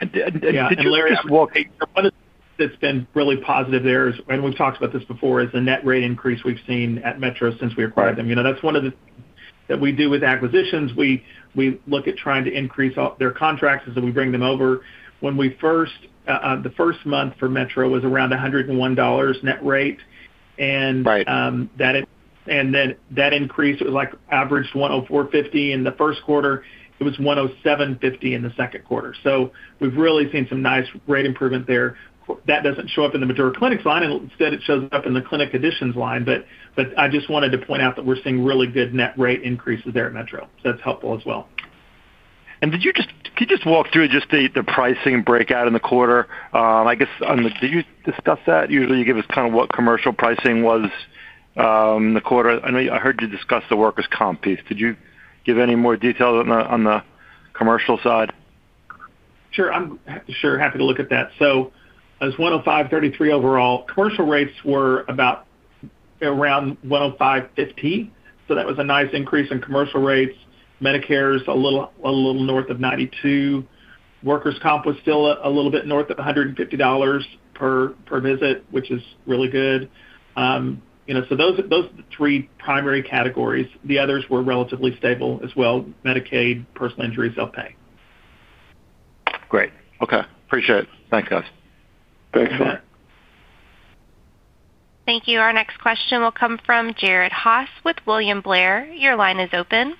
Speaker 3: Did you, Larry? One of the things that's been really positive there, and we've talked about this before, is the net rate increase we've seen at Metro since we acquired them. That's one of the things that we do with acquisitions. We look at trying to increase their contracts as we bring them over. When we first, the first month for Metro was around $101 net rate. That increased, it was like averaged $104.50 in the first quarter. It was $107.50 in the second quarter. We've really seen some nice rate improvement there. That doesn't show up in the mature clinics line. Instead, it shows up in the clinic additions line. I just wanted to point out that we're seeing really good net rate increases there at Metro. That's helpful as well.
Speaker 9: Can you just walk through just the pricing breakout in the quarter? I guess, did you discuss that? Usually, you give us kind of what commercial pricing was in the quarter. I know I heard you discuss the workers' comp piece. Did you give any more detail on the commercial side?
Speaker 3: Sure. I'm sure happy to look at that. It was $105.33 overall. Commercial rates were about, around $105.50. That was a nice increase in commercial rates. Medicare's a little north of $92. Workers' comp was still a little bit north of $150 per visit, which is really good. Those are the three primary categories. The others were relatively stable as well: Medicaid, personal injury, self-pay.
Speaker 9: Great. Okay. Appreciate it. Thank you, guys. Thanks a lot.
Speaker 4: Thank you. Our next question will come from Jared Haase with William Blair. Your line is open.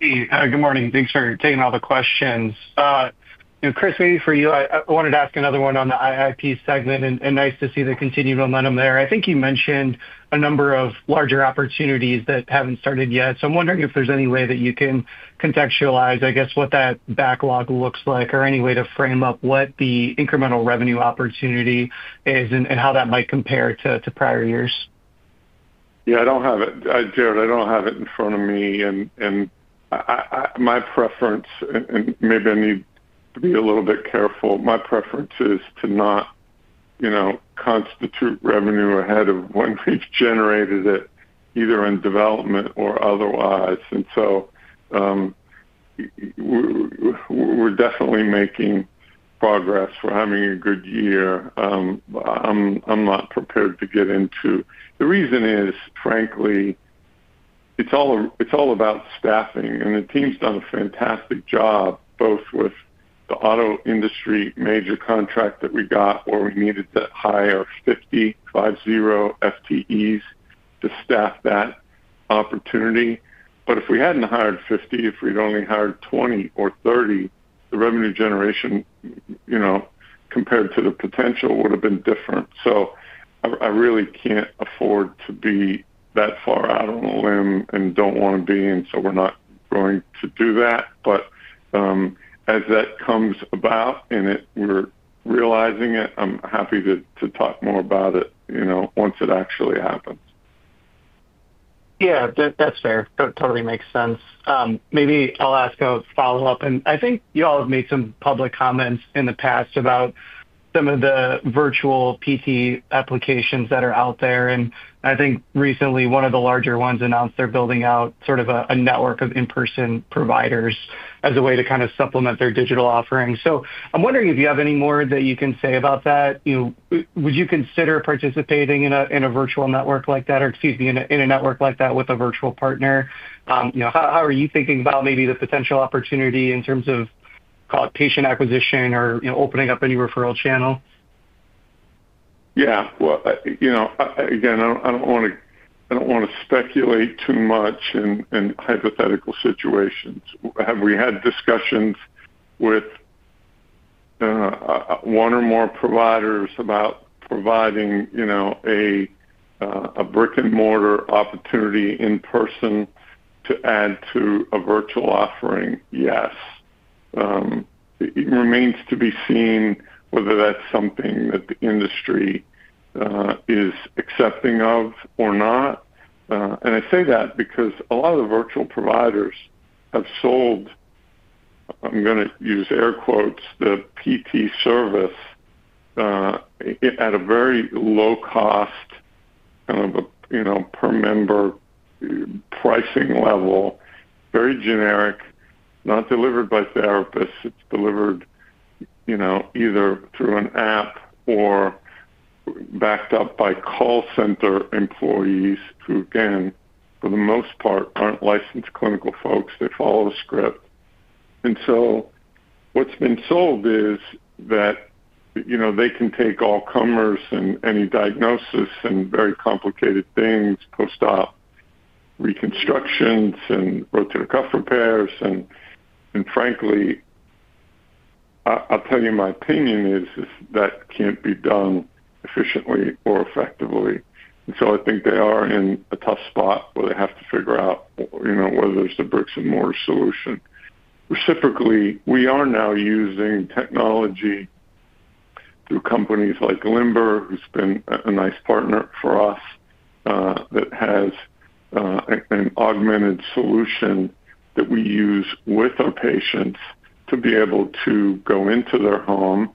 Speaker 10: Hey. Good morning. Thanks for taking all the questions. Chris, maybe for you, I wanted to ask another one on the IIP segment. And nice to see the continued momentum there. I think you mentioned a number of larger opportunities that haven't started yet. I'm wondering if there's any way that you can contextualize, I guess, what that backlog looks like or any way to frame up what the incremental revenue opportunity is and how that might compare to prior years.
Speaker 1: Yeah. I do not have it. Jared, I do not have it in front of me. My preference, and maybe I need to be a little bit careful, my preference is to not constitute revenue ahead of when we have generated it, either in development or otherwise. We are definitely making progress. We are having a good year. I am not prepared to get into. The reason is, frankly, it is all about staffing. The team's done a fantastic job, both with the auto industry major contract that we got where we needed to hire 50 FTEs to staff that opportunity. If we had not hired 50, if we had only hired 20 or 30, the revenue generation compared to the potential would have been different. I really cannot afford to be that far out on a limb and do not want to be. We are not going to do that. As that comes about and we're realizing it, I'm happy to talk more about it once it actually happens.
Speaker 10: Yeah. That's fair. Totally makes sense. Maybe I'll ask a follow-up. I think you all have made some public comments in the past about some of the virtual PT applications that are out there. I think recently, one of the larger ones announced they're building out sort of a network of in-person providers as a way to kind of supplement their digital offering. I'm wondering if you have any more that you can say about that. Would you consider participating in a virtual network like that, or, excuse me, in a network like that with a virtual partner? How are you thinking about maybe the potential opportunity in terms of, call it, patient acquisition or opening up a new referral channel?
Speaker 1: Yeah. Again, I don't want to speculate too much in hypothetical situations. Have we had discussions with one or more providers about providing a brick-and-mortar opportunity in person to add to a virtual offering? Yes. It remains to be seen whether that's something that the industry is accepting of or not. I say that because a lot of the virtual providers have sold, I'm going to use air quotes, the PT service at a very low cost, kind of a per member pricing level, very generic, not delivered by therapists. It's delivered either through an app or backed up by call center employees who, again, for the most part, aren't licensed clinical folks. They follow a script. What's been sold is that they can take all comers and any diagnosis and very complicated things, post-op reconstructions and rotator cuff repairs. And frankly. I'll tell you my opinion is that can't be done efficiently or effectively. I think they are in a tough spot where they have to figure out whether there's a bricks-and-mortar solution. Reciprocally, we are now using technology through companies like Limber, who's been a nice partner for us. That has an augmented solution that we use with our patients to be able to go into their home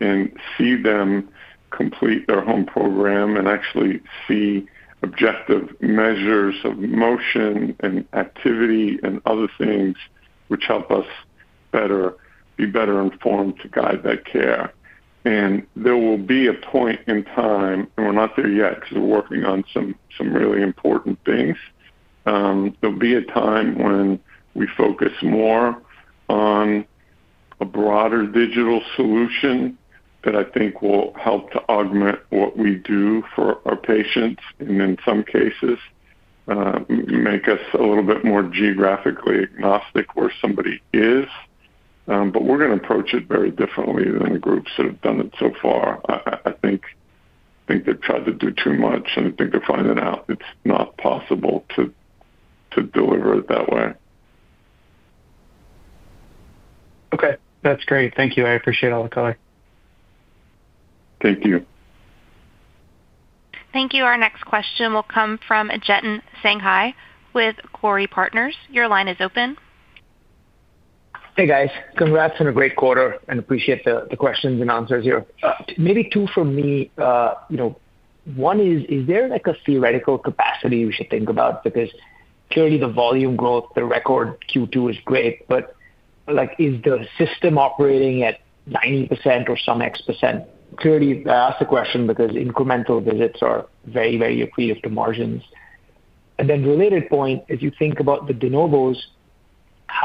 Speaker 1: and see them complete their home program and actually see objective measures of motion and activity and other things which help us be better informed to guide that care. There will be a point in time, and we're not there yet because we're working on some really important things. There'll be a time when we focus more on a broader digital solution that I think will help to augment what we do for our patients and, in some cases. Make us a little bit more geographically agnostic where somebody is. We're going to approach it very differently than the groups that have done it so far. I think they've tried to do too much, and I think they're finding out it's not possible to deliver it that way.
Speaker 10: Okay. That's great. Thank you. I appreciate all the color.
Speaker 1: Thank you.
Speaker 4: Thank you. Our next question will come from Jiten Sanghai with Corre Partners. Your line is open.
Speaker 11: Hey, guys. Congrats on a great quarter. I appreciate the questions and answers here. Maybe two for me. One is, is there a theoretical capacity we should think about? Because clearly, the volume growth, the record Q2 is great. Is the system operating at 90% or some x percent? I ask the question because incremental visits are very, very accretive to margins. Related point, if you think about the de novos,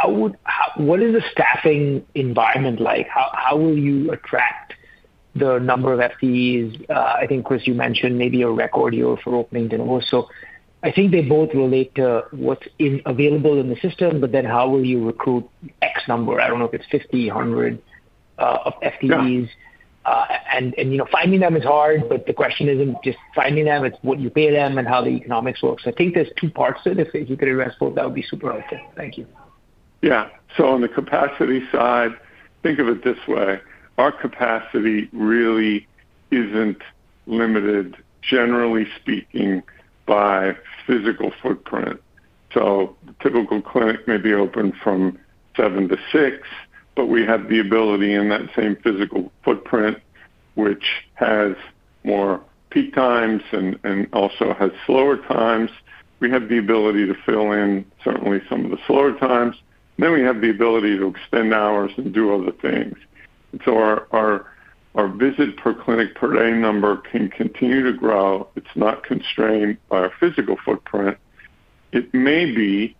Speaker 11: what is the staffing environment like? How will you attract the number of FTEs? I think, Chris, you mentioned maybe a record year for opening de novos. I think they both relate to what's available in the system, but then how will you recruit X number? I do not know if it's 50, 100 of FTEs. Finding them is hard, but the question is not just finding them. It's what you pay them and how the economics work. I think there's two parts to it. If you could address both, that would be super helpful. Thank you.
Speaker 1: Yeah. On the capacity side, think of it this way. Our capacity really isn't limited, generally speaking, by physical footprint. The typical clinic may be open from 7:00 A.M. to 6:00 P.M., but we have the ability in that same physical footprint, which has more peak times and also has slower times. We have the ability to fill in certainly some of the slower times. We have the ability to extend hours and do other things. Our visit per clinic per day number can continue to grow. It's not constrained by our physical footprint. It may be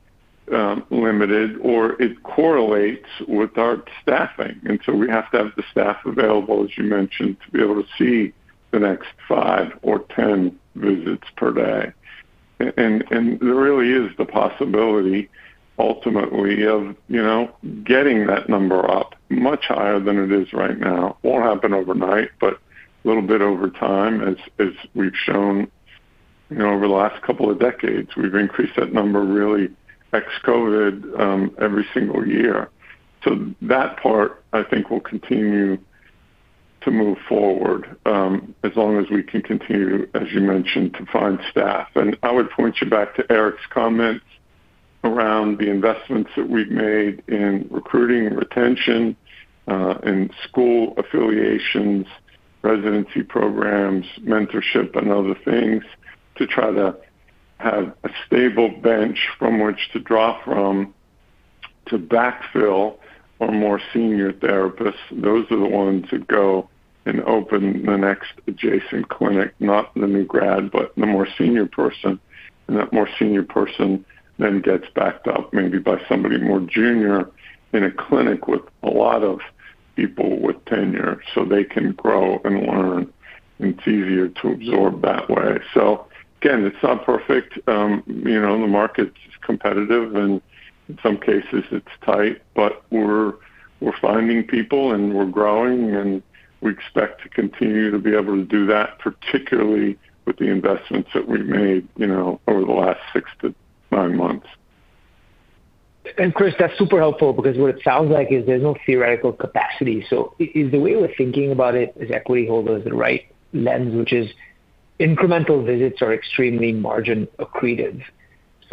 Speaker 1: limited, or it correlates with our staffing. We have to have the staff available, as you mentioned, to be able to see the next 5 or 10 visits per day. There really is the possibility ultimately of. Getting that number up much higher than it is right now. It won't happen overnight, but a little bit over time, as we've shown. Over the last couple of decades, we've increased that number really ex-COVID every single year. That part, I think, will continue to move forward. As long as we can continue, as you mentioned, to find staff. I would point you back to Eric's comments around the investments that we've made in recruiting and retention, in school affiliations, residency programs, mentorship, and other things to try to have a stable bench from which to draw from to backfill our more senior therapists. Those are the ones who go and open the next adjacent clinic, not the new grad, but the more senior person. That more senior person then gets backed up maybe by somebody more junior in a clinic with a lot of people with tenure so they can grow and learn. It is easier to absorb that way. Again, it is not perfect. The market is competitive, and in some cases, it is tight. We are finding people, and we are growing, and we expect to continue to be able to do that, particularly with the investments that we have made over the last six to nine months.
Speaker 11: Chris, that's super helpful because what it sounds like is there's no theoretical capacity. Is the way we're thinking about it as equity holders the right lens, which is incremental visits are extremely margin accretive?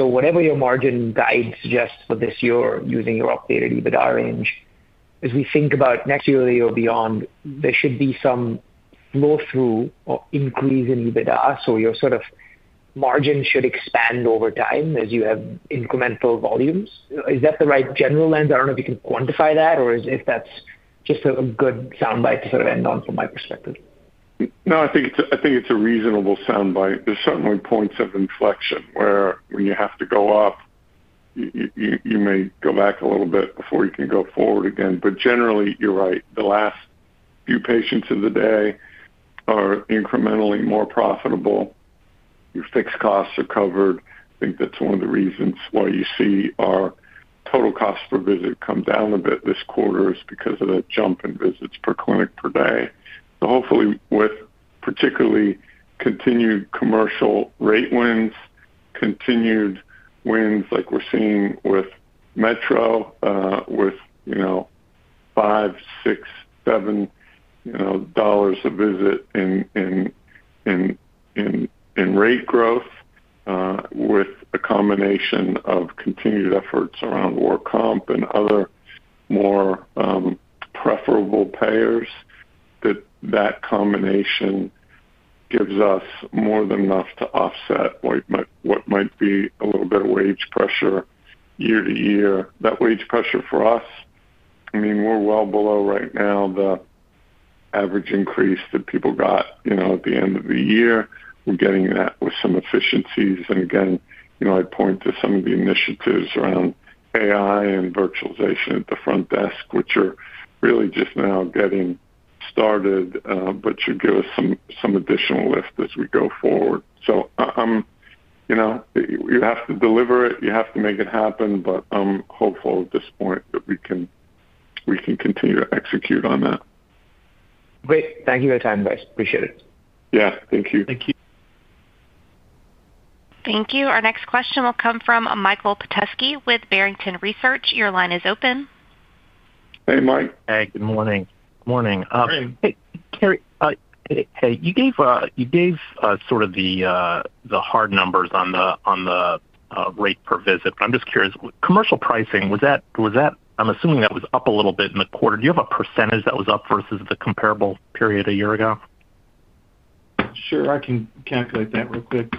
Speaker 11: Whatever your margin guide suggests for this year, using your updated EBITDA range, as we think about next year or beyond, there should be some flow-through or increase in EBITDA. Your sort of margin should expand over time as you have incremental volumes. Is that the right general lens? I don't know if you can quantify that, or if that's just a good soundbite to sort of end on from my perspective.
Speaker 1: No, I think it's a reasonable soundbite. There's certainly points of inflection where when you have to go up, you may go back a little bit before you can go forward again. Generally, you're right. The last few patients of the day are incrementally more profitable. Your fixed costs are covered. I think that's one of the reasons why you see our total cost per visit come down a bit this quarter is because of the jump in visits per clinic per day. Hopefully, with particularly continued commercial rate wins, continued wins like we're seeing with Metro, with five, six, seven dollars a visit in rate growth, with a combination of continued efforts around work comp and other more preferable payers, that combination gives us more than enough to offset what might be a little bit of wage pressure year-to-year. That wage pressure for us. I mean, we're well below right now the average increase that people got at the end of the year. We're getting that with some efficiencies. I’d point to some of the initiatives around AI and virtualization at the front desk, which are really just now getting started, but should give us some additional lift as we go forward. You have to deliver it. You have to make it happen. I'm hopeful at this point that we can continue to execute on that.
Speaker 11: Great. Thank you for your time, guys. Appreciate it.
Speaker 1: Yeah. Thank you.
Speaker 3: Thank you.
Speaker 4: Thank you. Our next question will come from Michael Petusky with Barrington Research. Your line is open.
Speaker 1: Hey, Mike.
Speaker 12: Hey. Good morning.
Speaker 3: Morning.
Speaker 1: Morning.
Speaker 12: Hey, Carey. Hey, you gave sort of the hard numbers on the rate per visit. But I'm just curious, commercial pricing, was that—I’m assuming that was up a little bit in the quarter. Do you have a percentage that was up versus the comparable period a year ago?
Speaker 3: Sure. I can calculate that real quick.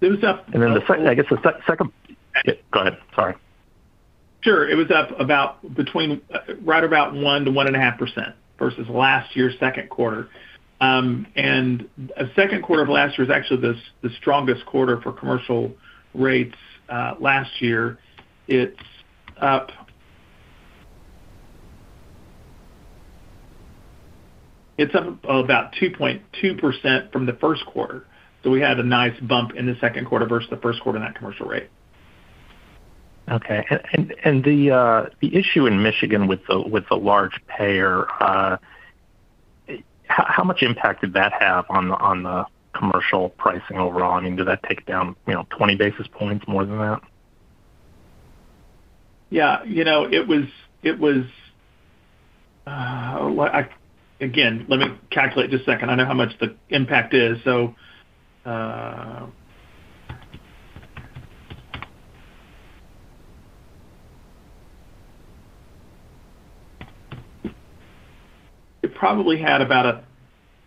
Speaker 3: It was up.
Speaker 12: I guess the second—yeah. Go ahead. Sorry.
Speaker 3: Sure. It was up about between right about 1-1.5% versus last year's second quarter. The second quarter of last year is actually the strongest quarter for commercial rates last year. It's up about 2.2% from the first quarter. We had a nice bump in the second quarter versus the first quarter in that commercial rate.
Speaker 12: Okay. The issue in Michigan with the large payer, how much impact did that have on the commercial pricing overall? I mean, did that take down 20 basis points, more than that?
Speaker 3: Yeah. It was. Again, let me calculate just a second. I know how much the impact is. So. It probably had about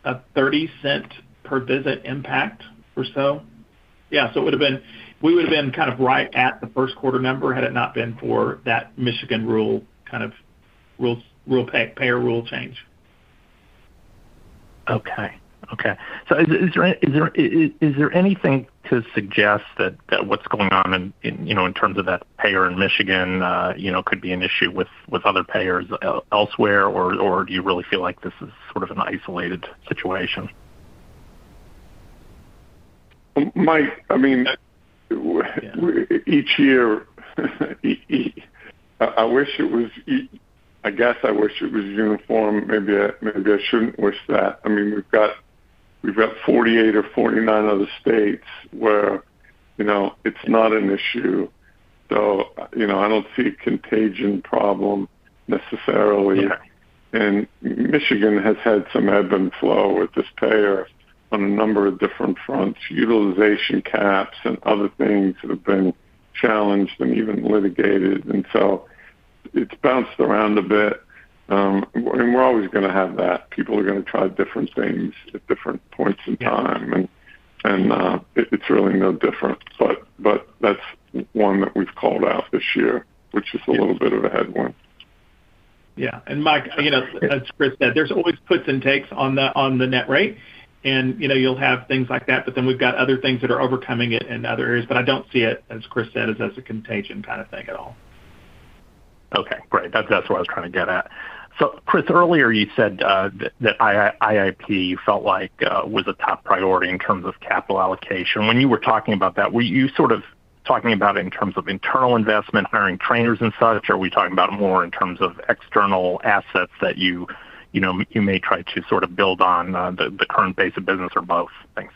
Speaker 3: a $0.30 per visit impact or so. Yeah. So, it would have been—we would have been kind of right at the first quarter number had it not been for that Michigan rule kind of. Payer rule change.
Speaker 12: Okay. Okay. Is there anything to suggest that what's going on in terms of that payer in Michigan could be an issue with other payers elsewhere? Or do you really feel like this is sort of an isolated situation?
Speaker 1: Mike, I mean. Each year. I wish it was—I guess I wish it was uniform. Maybe I should not wish that. I mean, we have got 48 or 49 other states where it is not an issue. I do not see a contagion problem necessarily. Michigan has had some ebb and flow with this payer on a number of different fronts. Utilization caps and other things have been challenged and even litigated. It has bounced around a bit. We are always going to have that. People are going to try different things at different points in time. It is really no different. That is one that we have called out this year, which is a little bit of a headwind.
Speaker 3: Yeah. Mike, as Chris said, there's always puts and takes on the net rate. You'll have things like that. We have other things that are overcoming it in other areas. I don't see it, as Chris said, as a contagion kind of thing at all.
Speaker 12: Okay. Great. That's what I was trying to get at. Chris, earlier you said that IIP you felt like was a top priority in terms of capital allocation. When you were talking about that, were you sort of talking about it in terms of internal investment, hiring trainers and such? Or were you talking about it more in terms of external assets that you may try to sort of build on the current base of business or both things?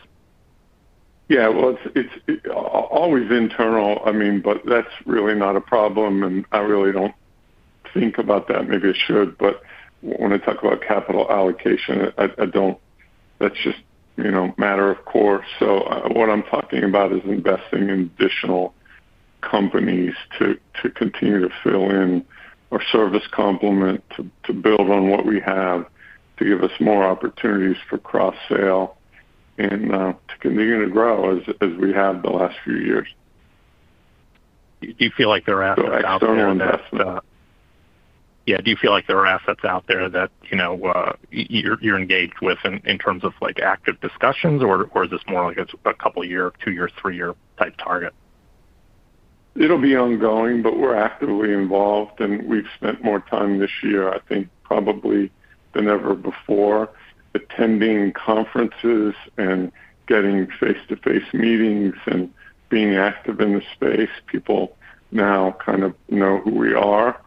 Speaker 1: Yeah. It's always internal. I mean, but that's really not a problem. I really don't think about that. Maybe I should. When I talk about capital allocation, that's just a matter of course. What I'm talking about is investing in additional companies to continue to fill in or service complement to build on what we have to give us more opportunities for cross-sale and to continue to grow as we have the last few years.
Speaker 12: Do you feel like there are assets out there?
Speaker 1: There are external investments.
Speaker 12: Yeah. Do you feel like there are assets out there that you're engaged with in terms of active discussions? Or is this more like a couple-year, two-year, three-year type target?
Speaker 1: It'll be ongoing, but we're actively involved. We've spent more time this year, I think, probably than ever before, attending conferences and getting face-to-face meetings and being active in the space. People now kind of know who we are.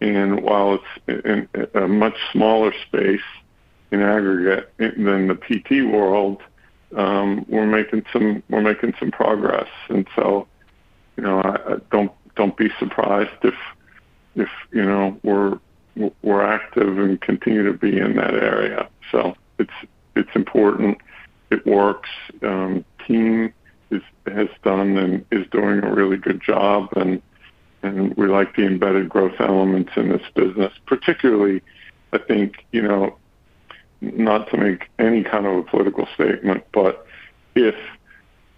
Speaker 1: While it's a much smaller space in aggregate than the PT world, we're making some progress. Do not be surprised if we're active and continue to be in that area. It's important. It works. Team has done and is doing a really good job. We like the embedded growth elements in this business, particularly, I think. Not to make any kind of a political statement, but if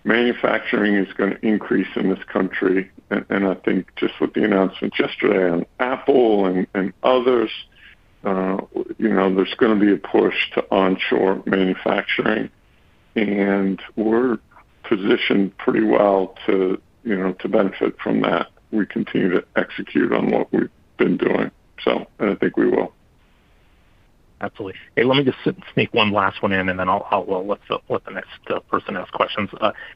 Speaker 1: manufacturing is going to increase in this country, and I think just with the announcement yesterday on Apple and others, there's going to be a push to onshore manufacturing. We're positioned pretty well to benefit from that. We continue to execute on what we've been doing. I think we will.
Speaker 12: Absolutely. Hey, let me just sneak one last one in, and then I'll let the next person ask questions.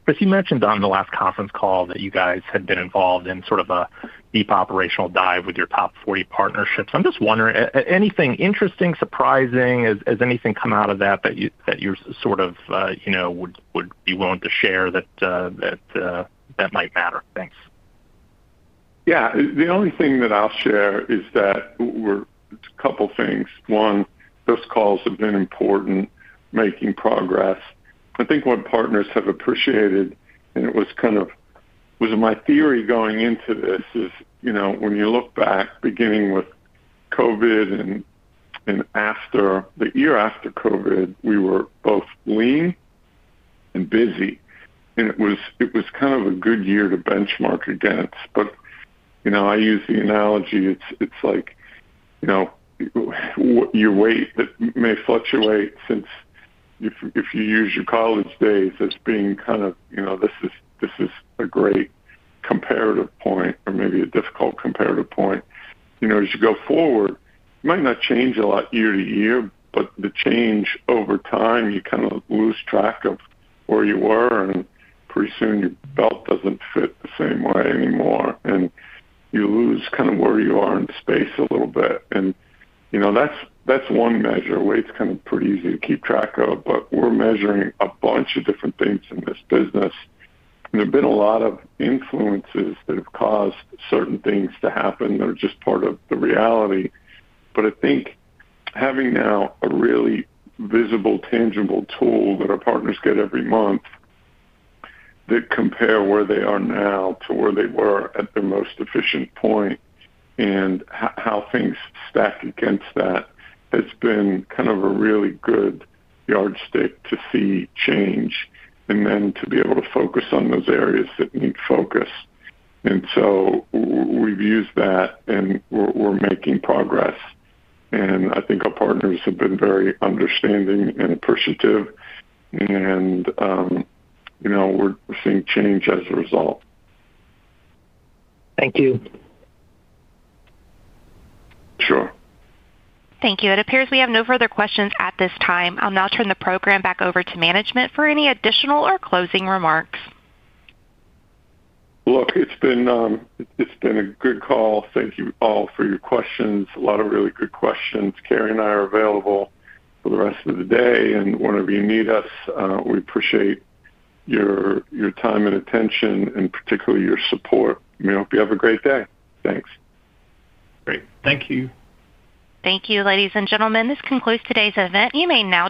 Speaker 12: Chris, you mentioned on the last conference call that you guys had been involved in sort of a deep operational dive with your top 40 partnerships. I'm just wondering, anything interesting, surprising? Has anything come out of that that you sort of would be willing to share that might matter? Thanks.
Speaker 1: Yeah. The only thing that I'll share is that a couple of things. One, those calls have been important, making progress. I think what partners have appreciated, and it was kind of my theory going into this, is when you look back, beginning with COVID and after the year after COVID, we were both lean and busy. It was kind of a good year to benchmark against. I use the analogy, it's like your weight that may fluctuate. If you use your college days as being kind of this is a great comparative point or maybe a difficult comparative point, as you go forward, it might not change a lot year to year, but the change over time, you kind of lose track of where you were. Pretty soon, your belt doesn't fit the same way anymore. You lose kind of where you are in space a little bit. That is one measure. Weight is kind of pretty easy to keep track of. We are measuring a bunch of different things in this business. There have been a lot of influences that have caused certain things to happen. They are just part of the reality. I think having now a really visible, tangible tool that our partners get every month that compares where they are now to where they were at their most efficient point, and how things stack against that, has been kind of a really good yardstick to see change and then to be able to focus on those areas that need focus. We have used that, and we are making progress. I think our partners have been very understanding and appreciative. We are seeing change as a result.
Speaker 12: Thank you.
Speaker 1: Sure.
Speaker 4: Thank you. It appears we have no further questions at this time. I'll now turn the program back over to management for any additional or closing remarks.
Speaker 1: Look, it's been a good call. Thank you all for your questions. A lot of really good questions. Carey and I are available for the rest of the day. Whenever you need us, we appreciate your time and attention and particularly your support. I hope you have a great day. Thanks.
Speaker 3: Great. Thank you.
Speaker 4: Thank you, ladies and gentlemen. This concludes today's event. You may now.